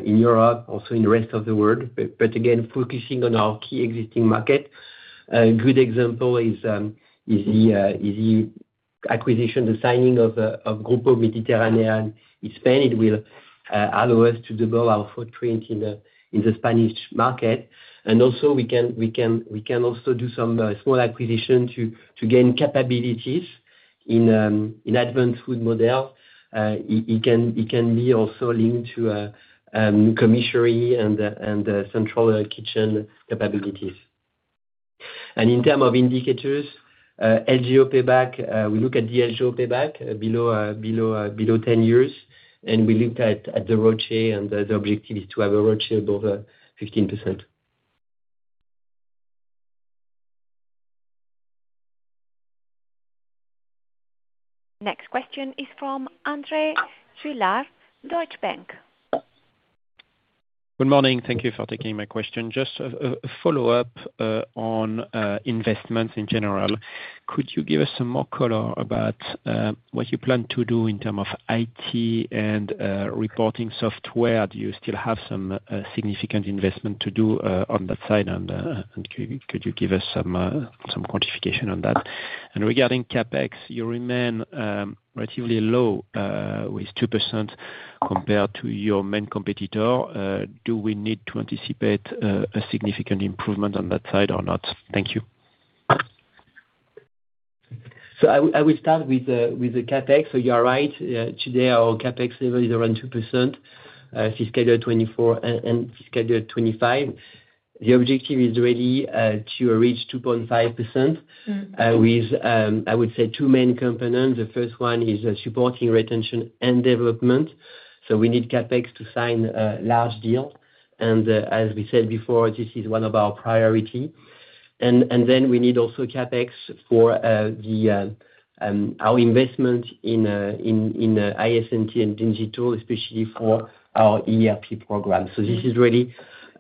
in Europe, also in the rest of the world. Again, focusing on our key existing market. A good example is the acquisition, the signing of Grupo Mediterránea in Spain. It will allow us to double our footprint in the Spanish market. We can also do some small acquisition to gain capabilities in advanced food models. It can be also linked to commissary and central kitchen capabilities. In terms of indicators, LGO payback, we look at the LGO payback below 10 years. We looked at the rotate and the objective is to have a rotate of over 15%. Next question is from André Juillard, Deutsche Bank. Good morning. Thank you for taking my question. Just a follow-up on investments in general. Could you give us some more color about what you plan to do in terms of IT and reporting software? Do you still have some significant investment to do on that side? Could you give us some quantification on that? Regarding CapEx, you remain relatively low, with 2% compared to your main competitor. Do we need to anticipate a significant improvement on that side or not? Thank you. I will start with CapEx. You are right, today our CapEx level is around 2% for fiscal year 2024 and fiscal year 2025. The objective is really to reach 2.5%. Mm-hmm. with, I would say, two main components. The first one is supporting retention and development. We need CapEx to sign a large deal. As we said before, this is one of our priority. We also need CapEx for our investment in ISMT and digital, especially for our ERP program. This is really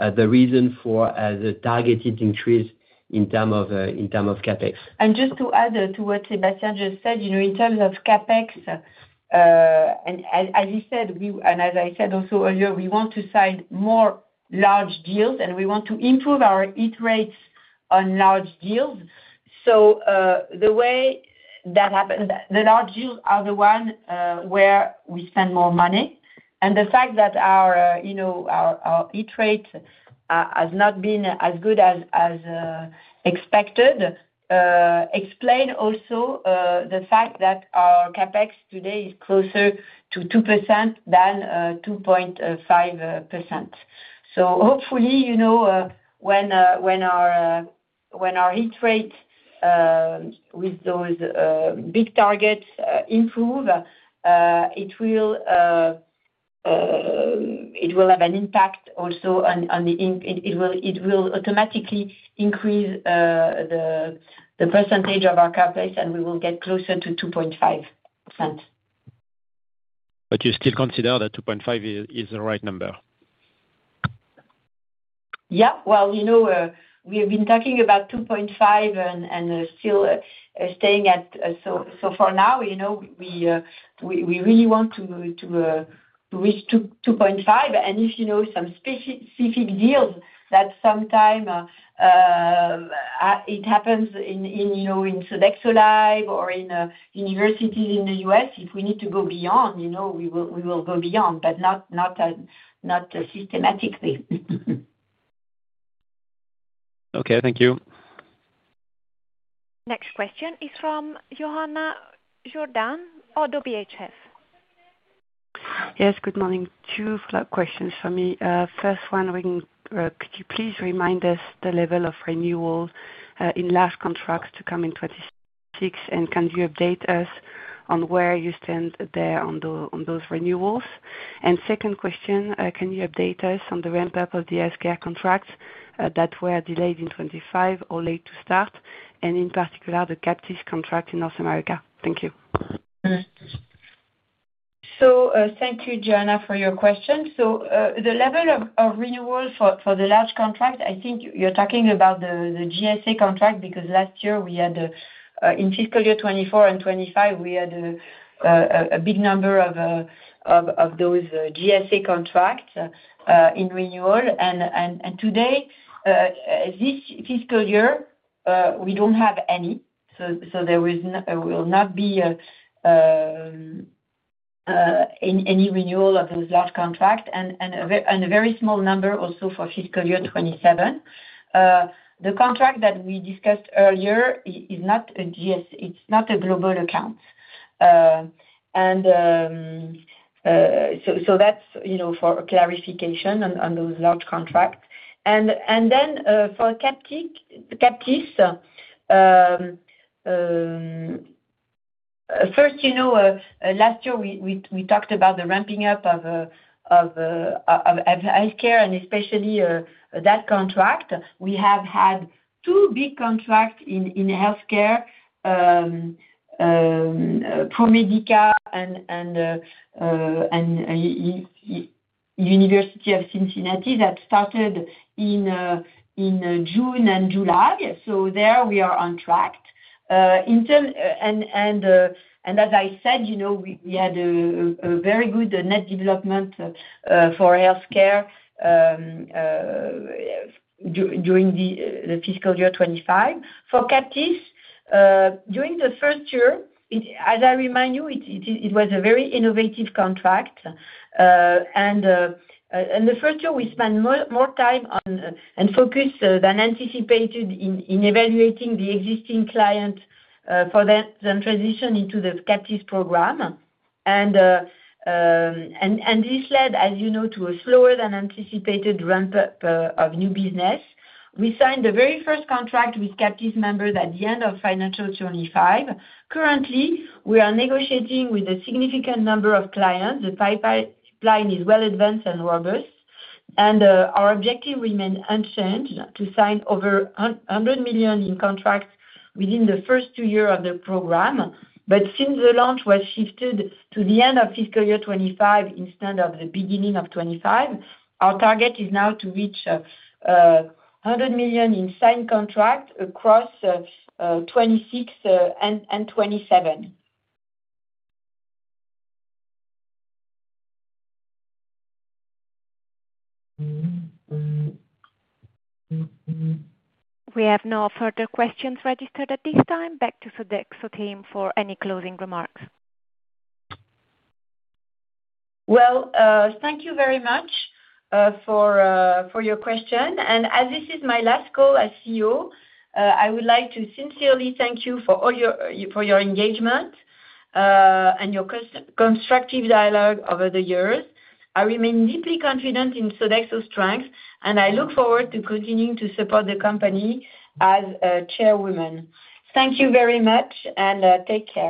the reason for the targeted increase in terms of CapEx. To add to what Sébastien just said, in terms of CapEx, as he said, and as I said also earlier, we want to sign more large deals, and we want to improve our hit rates on large deals. The way that happens, the large deals are the ones where we spend more money. The fact that our hit rate has not been as good as expected explains also the fact that our CapEx today is closer to 2% than 2.5%. Hopefully, when our hit rate with those big targets improves, it will have an impact also in that it will automatically increase the percentage of our CapEx, and we will get closer to 2.5%. Do you still consider that 2.5% is the right number? Yeah. You know, we have been talking about 2.5% and still staying at, so for now, you know, we really want to reach 2%, 2.5%. If, you know, some specific deals that sometime, it happens in, you know, in Sodexo Live or in universities in the U.S., if we need to go beyond, you know, we will go beyond, but not systematically. Okay, thank you. Next question is from Johanna Jourdain, Oddo BHF. Yes. Good morning. Two questions from me. First one, could you please remind us the level of renewal in large contracts to come in 2026? Could you update us on where you stand there on those renewals? Second question, can you update us on the ramp-up of the healthcare contracts that were delayed in 2025 or late to start? In particular, the Captis contract in North America. Thank you. Thank you, Johanna, for your question. The level of renewal for the large contracts, I think you're talking about the GSA contract because last year we had, in fiscal year 2024 and 2025, a big number of those GSA contracts in renewal. This fiscal year, we don't have any, so there will not be any renewal of those large contracts. There is also a very small number for fiscal year 2027. The contract that we discussed earlier is not a GSA, it's not a global account. That's for clarification on those large contracts. For Captis, first, last year we talked about the ramping up of healthcare. Especially, that contract, we have had two big contracts in healthcare, ProMedica and University of Cincinnati, that started in June and July. There we are on track. As I said, we had a very good net development for healthcare during fiscal year 2025. For Captis, during the first year, as I remind you, it was a very innovative contract. The first year, we spent more time and focus than anticipated in evaluating the existing client for the transition into the Captis program. This led, as you know, to a slower than anticipated ramp-up of new business. We signed the very first contract with Captis members at the end of financial 2025. Currently, we are negotiating with a significant number of clients. The pipeline is well advanced and robust. Our objective remains unchanged to sign over $100 million in contracts within the first two years of the program. Since the launch was shifted to the end of fiscal year 2025 instead of the beginning of 2025, our target is now to reach $100 million in signed contracts across 2026 and 2027. We have no further questions registered at this time. Back to Sodexo team for any closing remarks. Thank you very much for your question. As this is my last call as CEO, I would like to sincerely thank you for your engagement and your constructive dialogue over the years. I remain deeply confident in Sodexo's strength, and I look forward to continuing to support the company as a Chairwoman. Thank you very much, and take care.